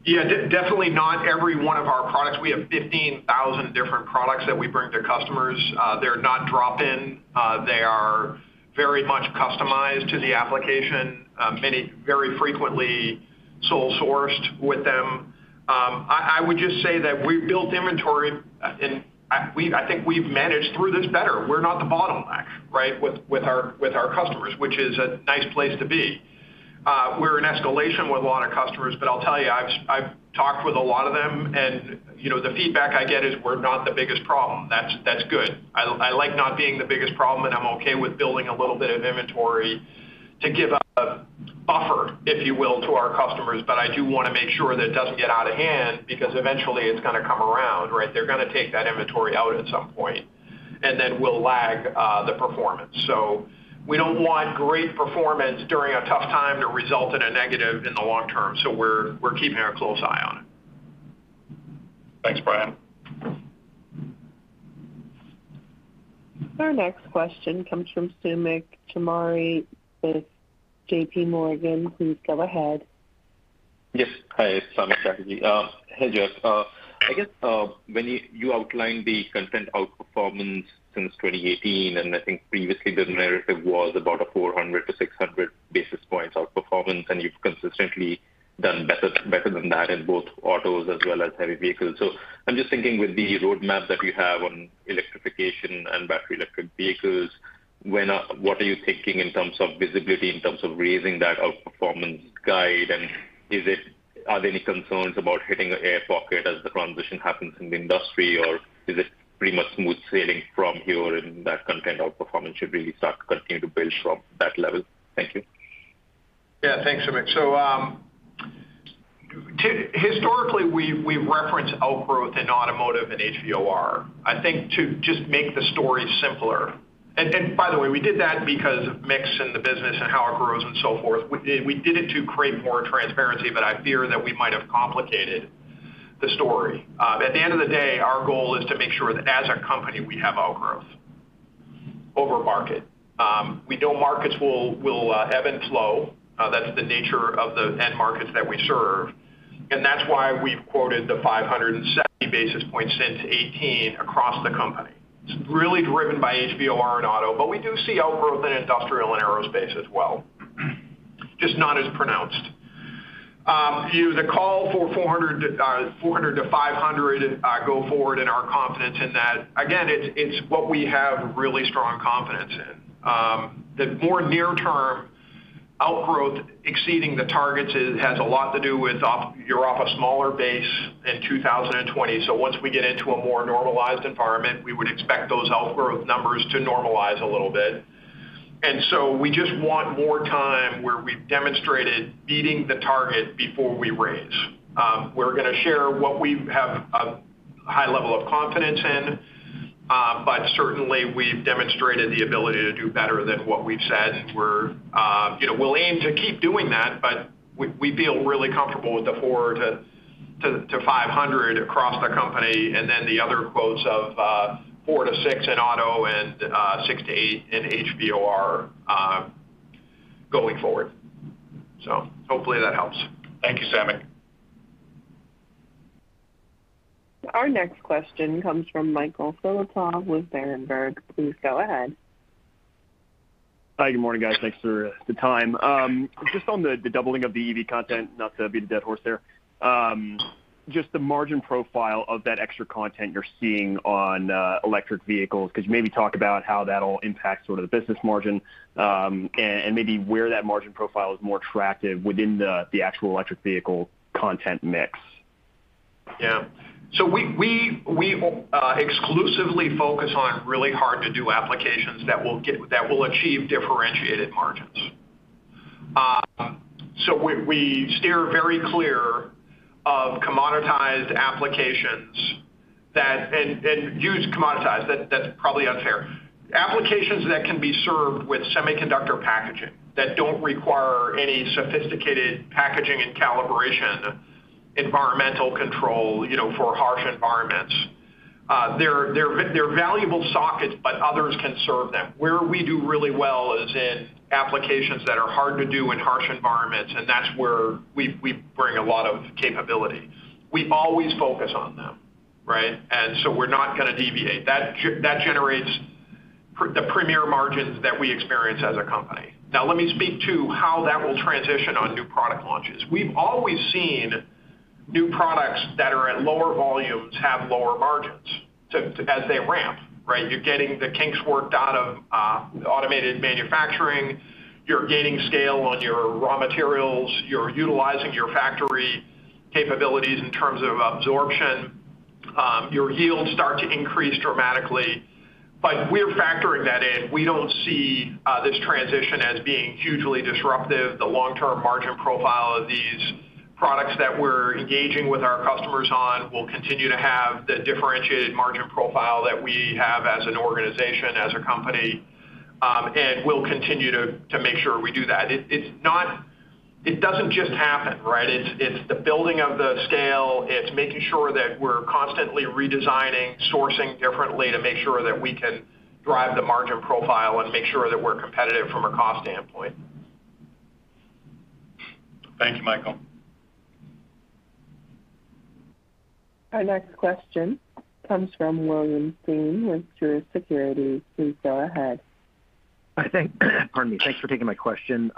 Yeah, definitely not every one of our products. We have 15,000 different products that we bring to customers. They're not drop-in. They are very much customized to the application, many very frequently sole sourced with them. I would just say that we built inventory and I think we've managed through this better. We're not the bottleneck, right, with our customers, which is a nice place to be. We're in escalation with a lot of customers, but I'll tell you, I've talked with a lot of them and, you know, the feedback I get is we're not the biggest problem. That's good. I like not being the biggest problem, and I'm okay with building a little bit of inventory to give a buffer, if you will, to our customers. I do wanna make sure that it doesn't get out of hand because eventually it's gonna come around, right? They're gonna take that inventory out at some point, and then we'll lag the performance. We don't want great performance during a tough time to result in a negative in the long term. We're keeping a close eye on it. Thanks, Brian. Our next question comes from Samik Chatterjee with JPMorgan. Please go ahead. Yes. Hi, Samik Chatterjee. Hey, Jeff. I guess, when you outlined the content outperformance since 2018, and I think previously the narrative was about a 400-600 basis points outperformance, and you've consistently done better than that in both autos as well as heavy vehicles. I'm just thinking with the roadmap that you have on electrification and battery electric vehicles, what are you thinking in terms of visibility, in terms of raising that outperformance guide? Are there any concerns about hitting an air pocket as the transition happens in the industry, or is it pretty much smooth sailing from here and that content outperformance should really start to continue to build from that level? Thank you. Yeah. Thanks, Samik. Historically, we've referenced outgrowth in automotive and HVOR, I think to just make the story simpler. By the way, we did that because of mix in the business and how it grows and so forth. We did it to create more transparency, but I fear that we might have complicated the story. At the end of the day, our goal is to make sure that as a company, we have outgrowth over market. We know markets will ebb and flow, that's the nature of the end markets that we serve. That's why we've quoted 570 basis points since 2018 across the company. It's really driven by HVOR and auto, but we do see outgrowth in industrial and aerospace as well, just not as pronounced. You know, the call for 400-500 going forward in our confidence in that. Again, it's what we have really strong confidence in. The more near-term outgrowth exceeding the targets has a lot to do with off a smaller base in 2020. So once we get into a more normalized environment, we would expect those outgrowth numbers to normalize a little bit. We just want more time where we've demonstrated beating the target before we raise. We're gonna share what we have a high level of confidence in, but certainly we've demonstrated the ability to do better than what we've said. We're, you know, we'll aim to keep doing that, but we feel really comfortable with the 4%-5% across the company, and then the other quotes of 4%-6% in auto and 6%-8% in HVOR going forward. Hopefully that helps. Thank you, Samik. Our next question comes from Michael Filatov with Berenberg. Please go ahead. Hi, good morning, guys. Thanks for the time. Just on the doubling of the EV content, not to beat a dead horse there. Just the margin profile of that extra content you're seeing on electric vehicles, could you maybe talk about how that'll impact sort of the business margin, and maybe where that margin profile is more attractive within the actual electric vehicle content mix? We exclusively focus on really hard-to-do applications that will achieve differentiated margins. We steer very clear of commoditized applications. That's probably unfair. Applications that can be served with semiconductor packaging that don't require any sophisticated packaging and calibration, environmental control, you know, for harsh environments. They're valuable sockets, but others can serve them. Where we do really well is in applications that are hard to do in harsh environments, and that's where we bring a lot of capability. We always focus on them, right? We're not gonna deviate. That generates the premier margins that we experience as a company. Now let me speak to how that will transition on new product launches. We've always seen new products that are at lower volumes have lower margins as they ramp, right? You're getting the kinks worked out of automated manufacturing. You're gaining scale on your raw materials. You're utilizing your factory capabilities in terms of absorption. Your yields start to increase dramatically. We're factoring that in. We don't see this transition as being hugely disruptive. The long-term margin profile of these products that we're engaging with our customers on will continue to have the differentiated margin profile that we have as an organization, as a company, and we'll continue to make sure we do that. It's not. It doesn't just happen, right? It's the building of the skill It's making sure that we're constantly redesigning, sourcing differently to make sure that we can drive the margin profile and make sure that we're competitive from a cost standpoint. Thank you, Michael. Our next question comes from William Stein with Truist Securities. Please go ahead. Pardon me. Thanks for taking my question.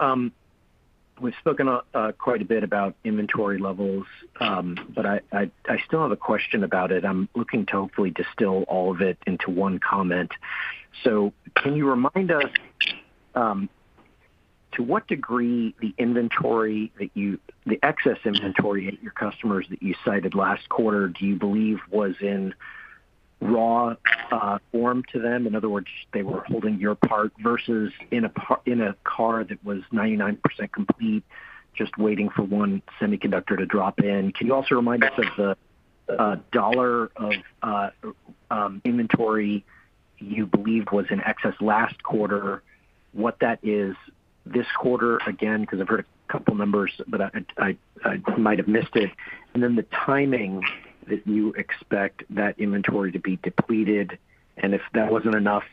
We've spoken quite a bit about inventory levels, but I still have a question about it. I'm looking to hopefully distill all of it into one comment. Can you remind us to what degree the excess inventory at your customers that you cited last quarter do you believe was in raw form to them? In other words, they were holding your part versus in a car that was 99% complete, just waiting for one semiconductor to drop in. Can you also remind us of the dollar of inventory you believe was in excess last quarter, what that is this quarter, again, because I've heard a couple numbers, but I might have missed it. The timing that you expect that inventory to be depleted, and if that wasn't enough,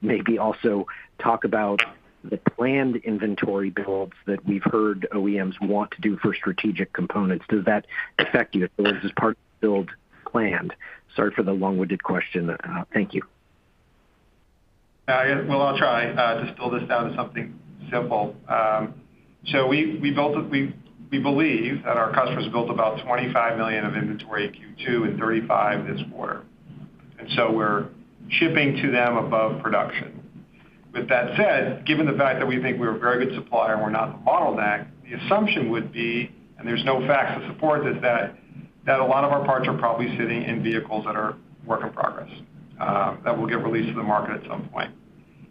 maybe also talk about the planned inventory builds that we've heard OEMs want to do for strategic components. Does that affect you if there was this part build planned? Sorry for the long-winded question. Thank you. Yeah. Well, I'll try to distill this down to something simple. We believe that our customers built about 25 million of inventory in Q2 and 35 this quarter. We're shipping to them above production. With that said, given the fact that we think we're a very good supplier and we're not the bottleneck, the assumption would be, and there's no facts to support this, that a lot of our parts are probably sitting in vehicles that are work in progress that will get released to the market at some point.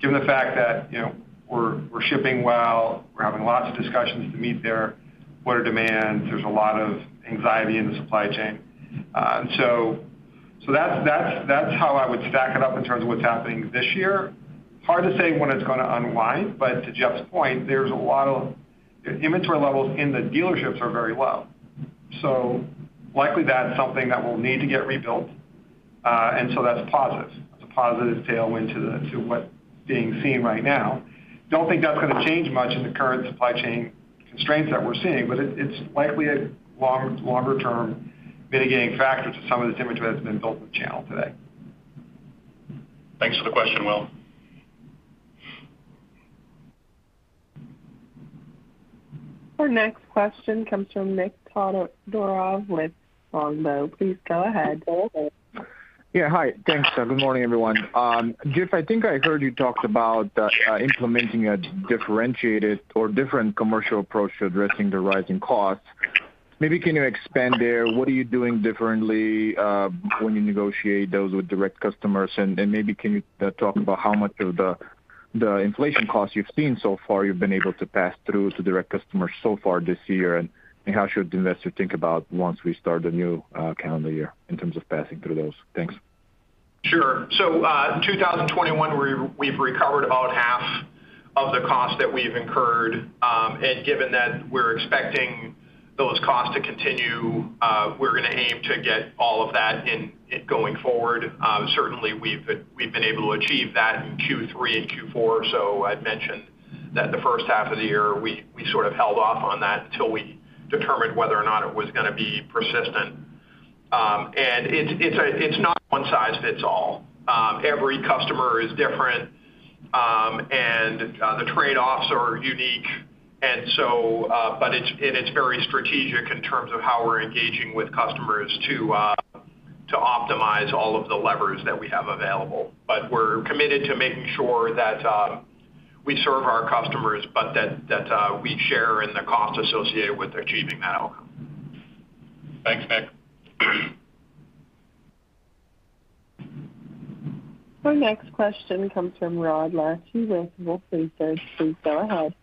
Given the fact that, you know, we're shipping well, we're having lots of discussions to meet their order demands. There's a lot of anxiety in the supply chain. That's how I would stack it up in terms of what's happening this year. Hard to say when it's gonna unwind, but to Jeff's point, the inventory levels in the dealerships are very low. Likely that's something that will need to get rebuilt, and that's a positive. That's a positive tailwind to what's being seen right now. Don't think that's gonna change much in the current supply chain constraints that we're seeing, but it's likely a longer term mitigating factor to some of this inventory that's been built in the channel today. Thanks for the question, Will. Our next question comes from Nick Todorov with Longbow. Please go ahead. Yeah, hi. Thanks. Good morning, everyone. Jeff, I think I heard you talked about implementing a differentiated or different commercial approach to addressing the rising costs. Maybe can you expand there? What are you doing differently when you negotiate those with direct customers? Maybe can you talk about how much of the inflation costs you've seen so far you've been able to pass through to direct customers so far this year? How should investors think about once we start a new calendar year in terms of passing through those? Thanks. Sure. In 2021, we've recovered about half of the cost that we've incurred. Given that we're expecting those costs to continue, we're gonna aim to get all of that in going forward. Certainly we've been able to achieve that in Q3 and Q4. I'd mentioned that the first half of the year, we sort of held off on that until we determined whether or not it was gonna be persistent. It's not one size fits all. Every customer is different, and the trade-offs are unique. It's very strategic in terms of how we're engaging with customers to optimize all of the levers that we have available. We're committed to making sure that we serve our customers, but that we share in the cost associated with achieving that outcome. Thanks, Nick. Our next question comes from Rod Lache with Wolfe Research. Please go ahead.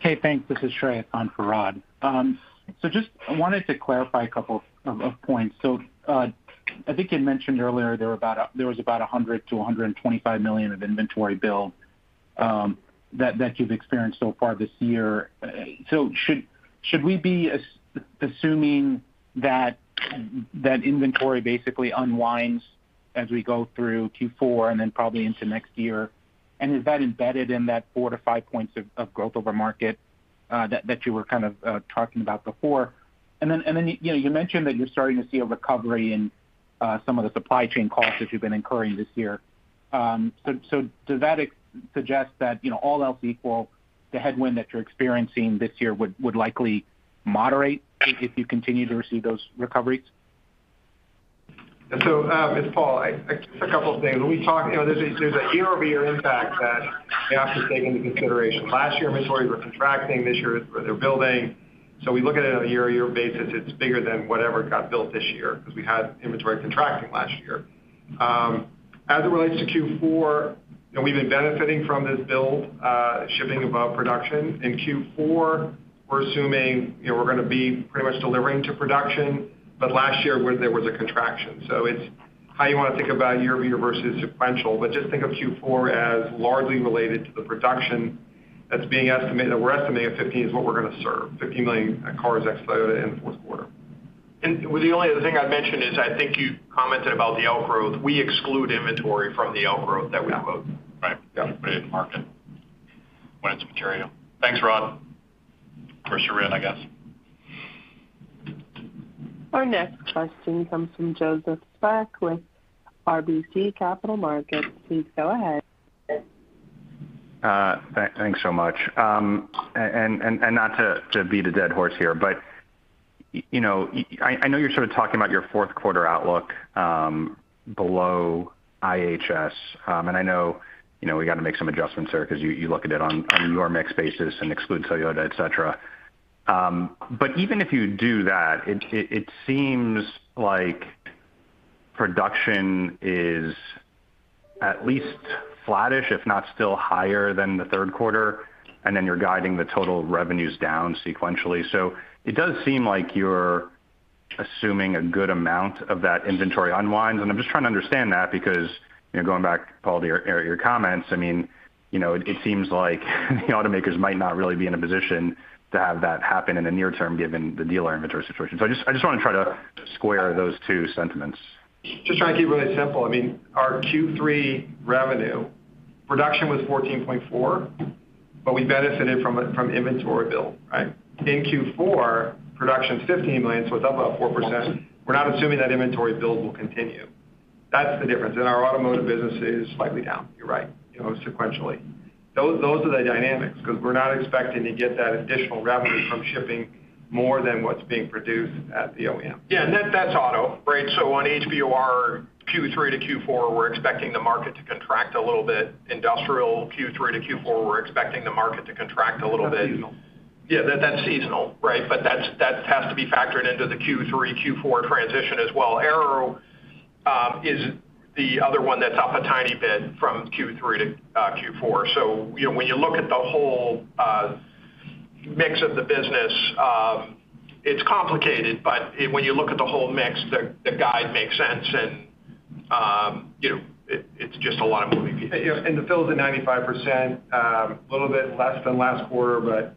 Hey, thanks. This is Shrey on for Rod. I think you'd mentioned earlier there were about $100 million-$125 million of inventory build that you've experienced so far this year. Should we be assuming that inventory basically unwinds as we go through Q4 and then probably into next year? Is that embedded in that 4%-5% growth over market that you were kind of talking about before? You know, you mentioned that you're starting to see a recovery in some of the supply chain costs that you've been incurring this year. Does that suggest that, you know, all else equal, the headwind that you're experiencing this year would likely moderate if you continue to receive those recoveries? It's Paul. A couple of things. When we talk, you know, there's a year-over-year impact that we have to take into consideration. Last year, inventories were contracting. This year they're building. We look at it on a year-over-year basis. It's bigger than whatever got built this year because we had inventory contracting last year. As it relates to Q4, you know, we've been benefiting from this build, shipping above production. In Q4, we're assuming, you know, we're gonna be pretty much delivering to production, but last year where there was a contraction. It's how you wanna think about year-over-year versus sequential. Just think of Q4 as largely related to the production that's being estimated. We're estimating 15 is what we're gonna serve. 15 million cars ex Toyota in the fourth quarter. The only other thing I'd mention is, I think you commented about the organic growth. We exclude inventory from the organic growth that we quote. Yeah. Right. Yeah. We put it in market when it's material. Thanks, Rod. Of course, you're in, I guess. Our next question comes from Joseph Spak with RBC Capital Markets. Please go ahead. Thanks so much. Not to beat a dead horse here, but you know, I know you're sort of talking about your fourth quarter outlook below IHS. I know, you know, we got to make some adjustments there because you look at it on your mixed basis and exclude Toyota, et cetera. Even if you do that, it seems like production is at least flattish, if not still higher than the third quarter, and then you're guiding the total revenues down sequentially. It does seem like you're assuming a good amount of that inventory unwinds. I'm just trying to understand that because, you know, going back, Paul, to your comments, I mean, you know, it seems like the automakers might not really be in a position to have that happen in the near term given the dealer inventory situation. I just want to try to square those two sentiments. Just trying to keep it really simple. I mean, our Q3 revenue production was $14.4 million, but we benefited from inventory build, right? In Q4, production is $15 million, so it's up about 4%. We're not assuming that inventory build will continue. That's the difference. Our automotive business is slightly down. You're right. You know, sequentially. Those are the dynamics because we're not expecting to get that additional revenue from shipping more than what's being produced at the OEM. Yeah, that's auto, right? On HVOR Q3 to Q4, we're expecting the market to contract a little bit. Industrial Q3 to Q4, we're expecting the market to contract a little bit. That's seasonal. Yeah, that's seasonal, right? That has to be factored into the Q3, Q4 transition as well. Aero is the other one that's up a tiny bit from Q3 to Q4. You know, when you look at the whole mix of the business, it's complicated, but when you look at the whole mix, the guide makes sense and, you know, it's just a lot of moving pieces. You know, and the fill is at 95%, a little bit less than last quarter, but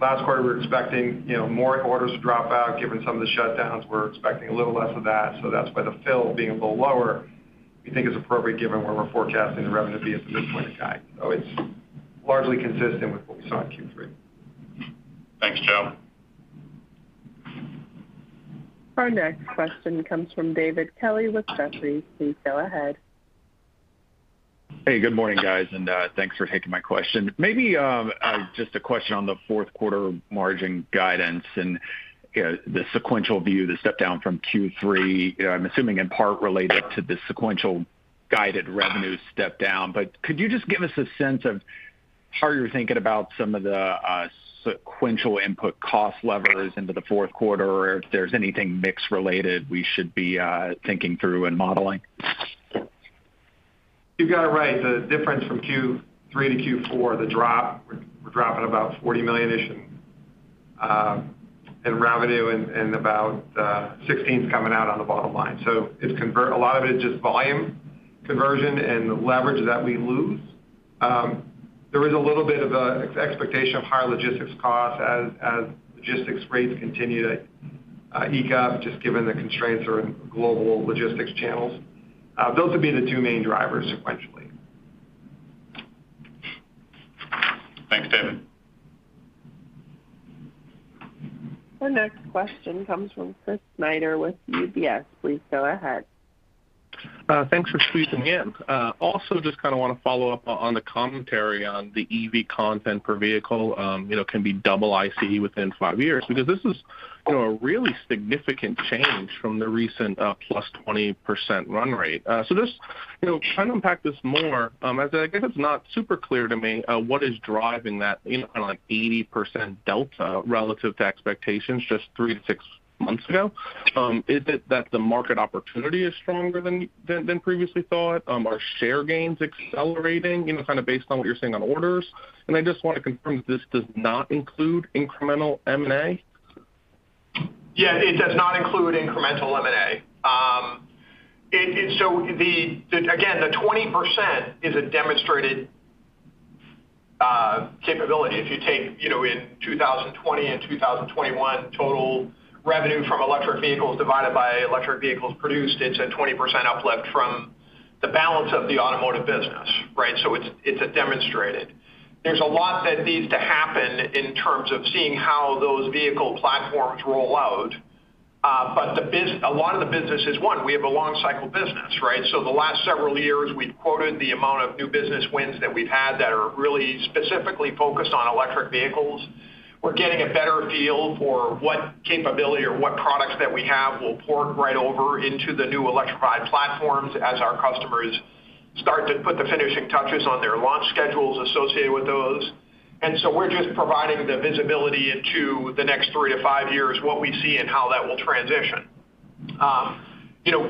last quarter we were expecting, you know, more orders to drop out given some of the shutdowns. We're expecting a little less of that. That's why the fill being a little lower, we think is appropriate given where we're forecasting the revenue to be at this point in time. It's largely consistent with what we saw in Q3. Thanks, Joe. Our next question comes from David Kelley with Jefferies. Please go ahead. Hey, good morning, guys, and thanks for taking my question. Maybe just a question on the fourth quarter margin guidance and, you know, the sequential view, the step down from Q3. I'm assuming in part related to the sequential guided revenue step down. But could you just give us a sense of how you're thinking about some of the sequential input cost levers into the fourth quarter or if there's anything mix related we should be thinking through and modeling? You've got it right. The difference from Q3 to Q4, the drop, we're dropping about $40 million-ish in revenue and about $16 million coming out on the bottom line. A lot of it is just volume conversion and leverage that we lose. There is a little bit of a expectation of higher logistics costs as logistics rates continue to creep up just given the constraints around global logistics channels. Those would be the two main drivers sequentially. Thanks, David. Our next question comes from Chris Snyder with UBS. Please go ahead. Thanks for squeezing me in. Also just kind of want to follow up on the commentary on the EV content per vehicle, you know, can be double ICE within five years because this is, you know, a really significant change from the recent, plus 20% run rate. So just, you know, trying to unpack this more, as I guess it's not super clear to me, what is driving that, you know, kind of like 80% delta relative to expectations just three to six months ago. Is it that the market opportunity is stronger than previously thought? Are share gains accelerating, you know, kind of based on what you're seeing on orders? I just want to confirm this does not include incremental M&A. Yeah, it does not include incremental M&A. Again, the 20% is a demonstrated capability. If you take, you know, in 2020 and 2021 total revenue from electric vehicles divided by electric vehicles produced, it's a 20% uplift from the balance of the automotive business, right? So it's a demonstrated. There's a lot that needs to happen in terms of seeing how those vehicle platforms roll out. But a lot of the business is, one, we have a long cycle business, right? So the last several years, we've quoted the amount of new business wins that we've had that are really specifically focused on electric vehicles. We're getting a better feel for what capability or what products that we have will port right over into the new electrified platforms as our customers start to put the finishing touches on their launch schedules associated with those. We're just providing the visibility into the next three to five years, what we see and how that will transition. You know,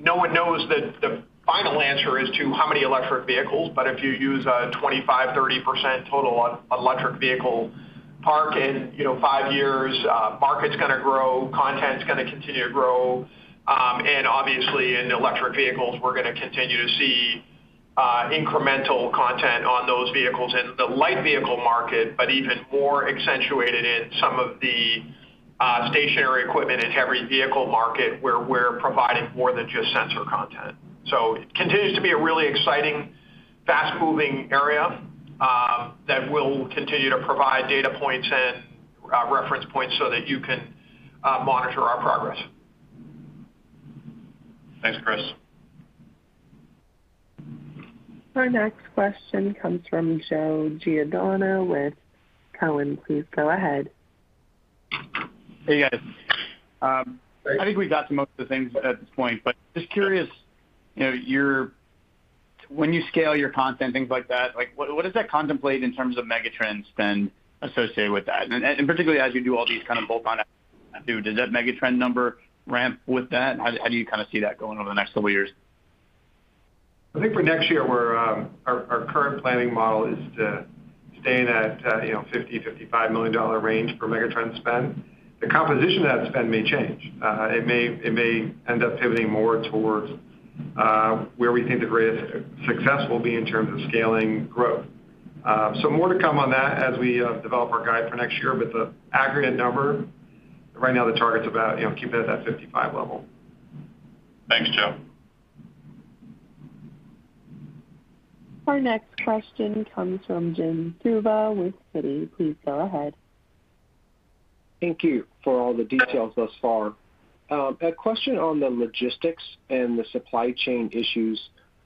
no one knows the final answer as to how many electric vehicles, but if you use a 25%-30% total on electric vehicle penetration in, you know, five years, market's gonna grow, content's gonna continue to grow. Obviously in electric vehicles, we're gonna continue to see incremental content on those vehicles in the light vehicle market, but even more accentuated in some of the stationary equipment and heavy vehicle market where we're providing more than just sensor content. It continues to be a really exciting, fast-moving area that we'll continue to provide data points and reference points so that you can monitor our progress. Thanks, Chris. Our next question comes from Joe Giordano with Cowen. Please go ahead. Hey, guys. I think we've got to most of the things at this point, but just curious, you know, your when you scale your content, things like that, like what does that contemplate in terms of megatrends spend associated with that? And particularly as you do all these kind of bolt-on does that megatrend number ramp with that? How do you kinda see that going over the next couple years? I think for next year our current planning model is to stay in that you know $55 million range for megatrend spend. The composition of that spend may change. It may end up pivoting more towards where we think the greatest success will be in terms of scaling growth. More to come on that as we develop our guide for next year. The aggregate number right now the target's about you know keep it at that 55 level. Thanks, Joe. Our next question comes from Jim Suva with Citi. Please go ahead. Thank you for all the details thus far. A question on the logistics and the supply chain issues.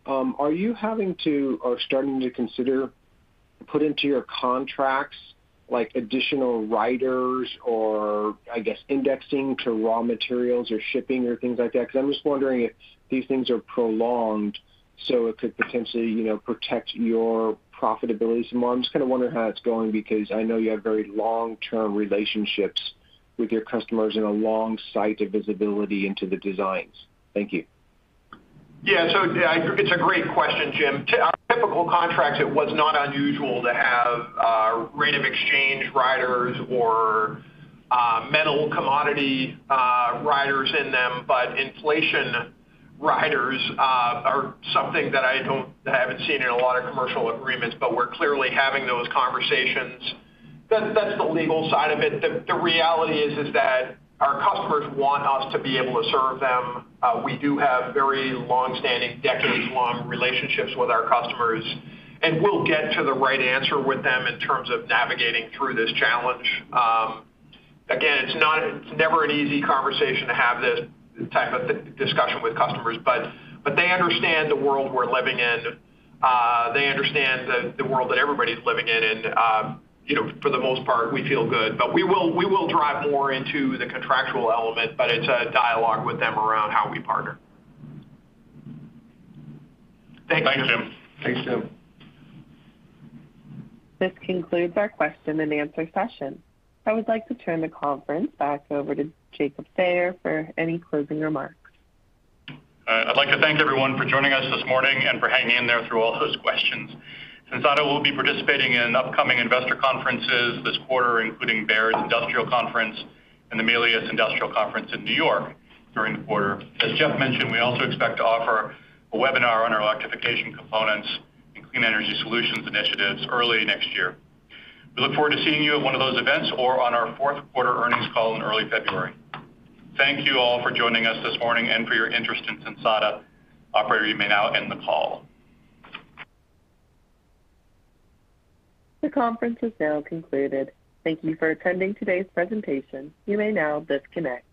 Are you having to or starting to consider put into your contracts like additional riders or I guess indexing to raw materials or shipping or things like that? 'Cause I'm just wondering if these things are prolonged, so it could potentially, you know, protect your profitability some more. I'm just kinda wondering how it's going because I know you have very long-term relationships with your customers and a long sight of visibility into the designs. Thank you. Yeah. Yeah, it's a great question, Jim. To our typical contracts, it was not unusual to have rate of exchange riders or metal commodity riders in them, but inflation riders are something that I haven't seen in a lot of commercial agreements, but we're clearly having those conversations. That's the legal side of it. The reality is that our customers want us to be able to serve them. We do have very long-standing, decades-long relationships with our customers, and we'll get to the right answer with them in terms of navigating through this challenge. Again, it's never an easy conversation to have this type of discussion with customers, but they understand the world we're living in. They understand the world that everybody's living in and, you know, for the most part we feel good. We will drive more into the contractual element, but it's a dialogue with them around how we partner. Thanks, Jim. Thanks, Jim. This concludes our question and answer session. I would like to turn the conference back over to Jacob Sayer for any closing remarks. All right. I'd like to thank everyone for joining us this morning and for hanging in there through all those questions. Sensata will be participating in upcoming investor conferences this quarter, including Baird's Industrial Conference and the Melius Industrial Conference in New York during the quarter. As Jeff mentioned, we also expect to offer a webinar on our electrification components and clean energy solutions initiatives early next year. We look forward to seeing you at one of those events or on our fourth quarter earnings call in early February. Thank you all for joining us this morning and for your interest in Sensata. Operator, you may now end the call. The conference is now concluded. Thank you for attending today's presentation. You may now disconnect.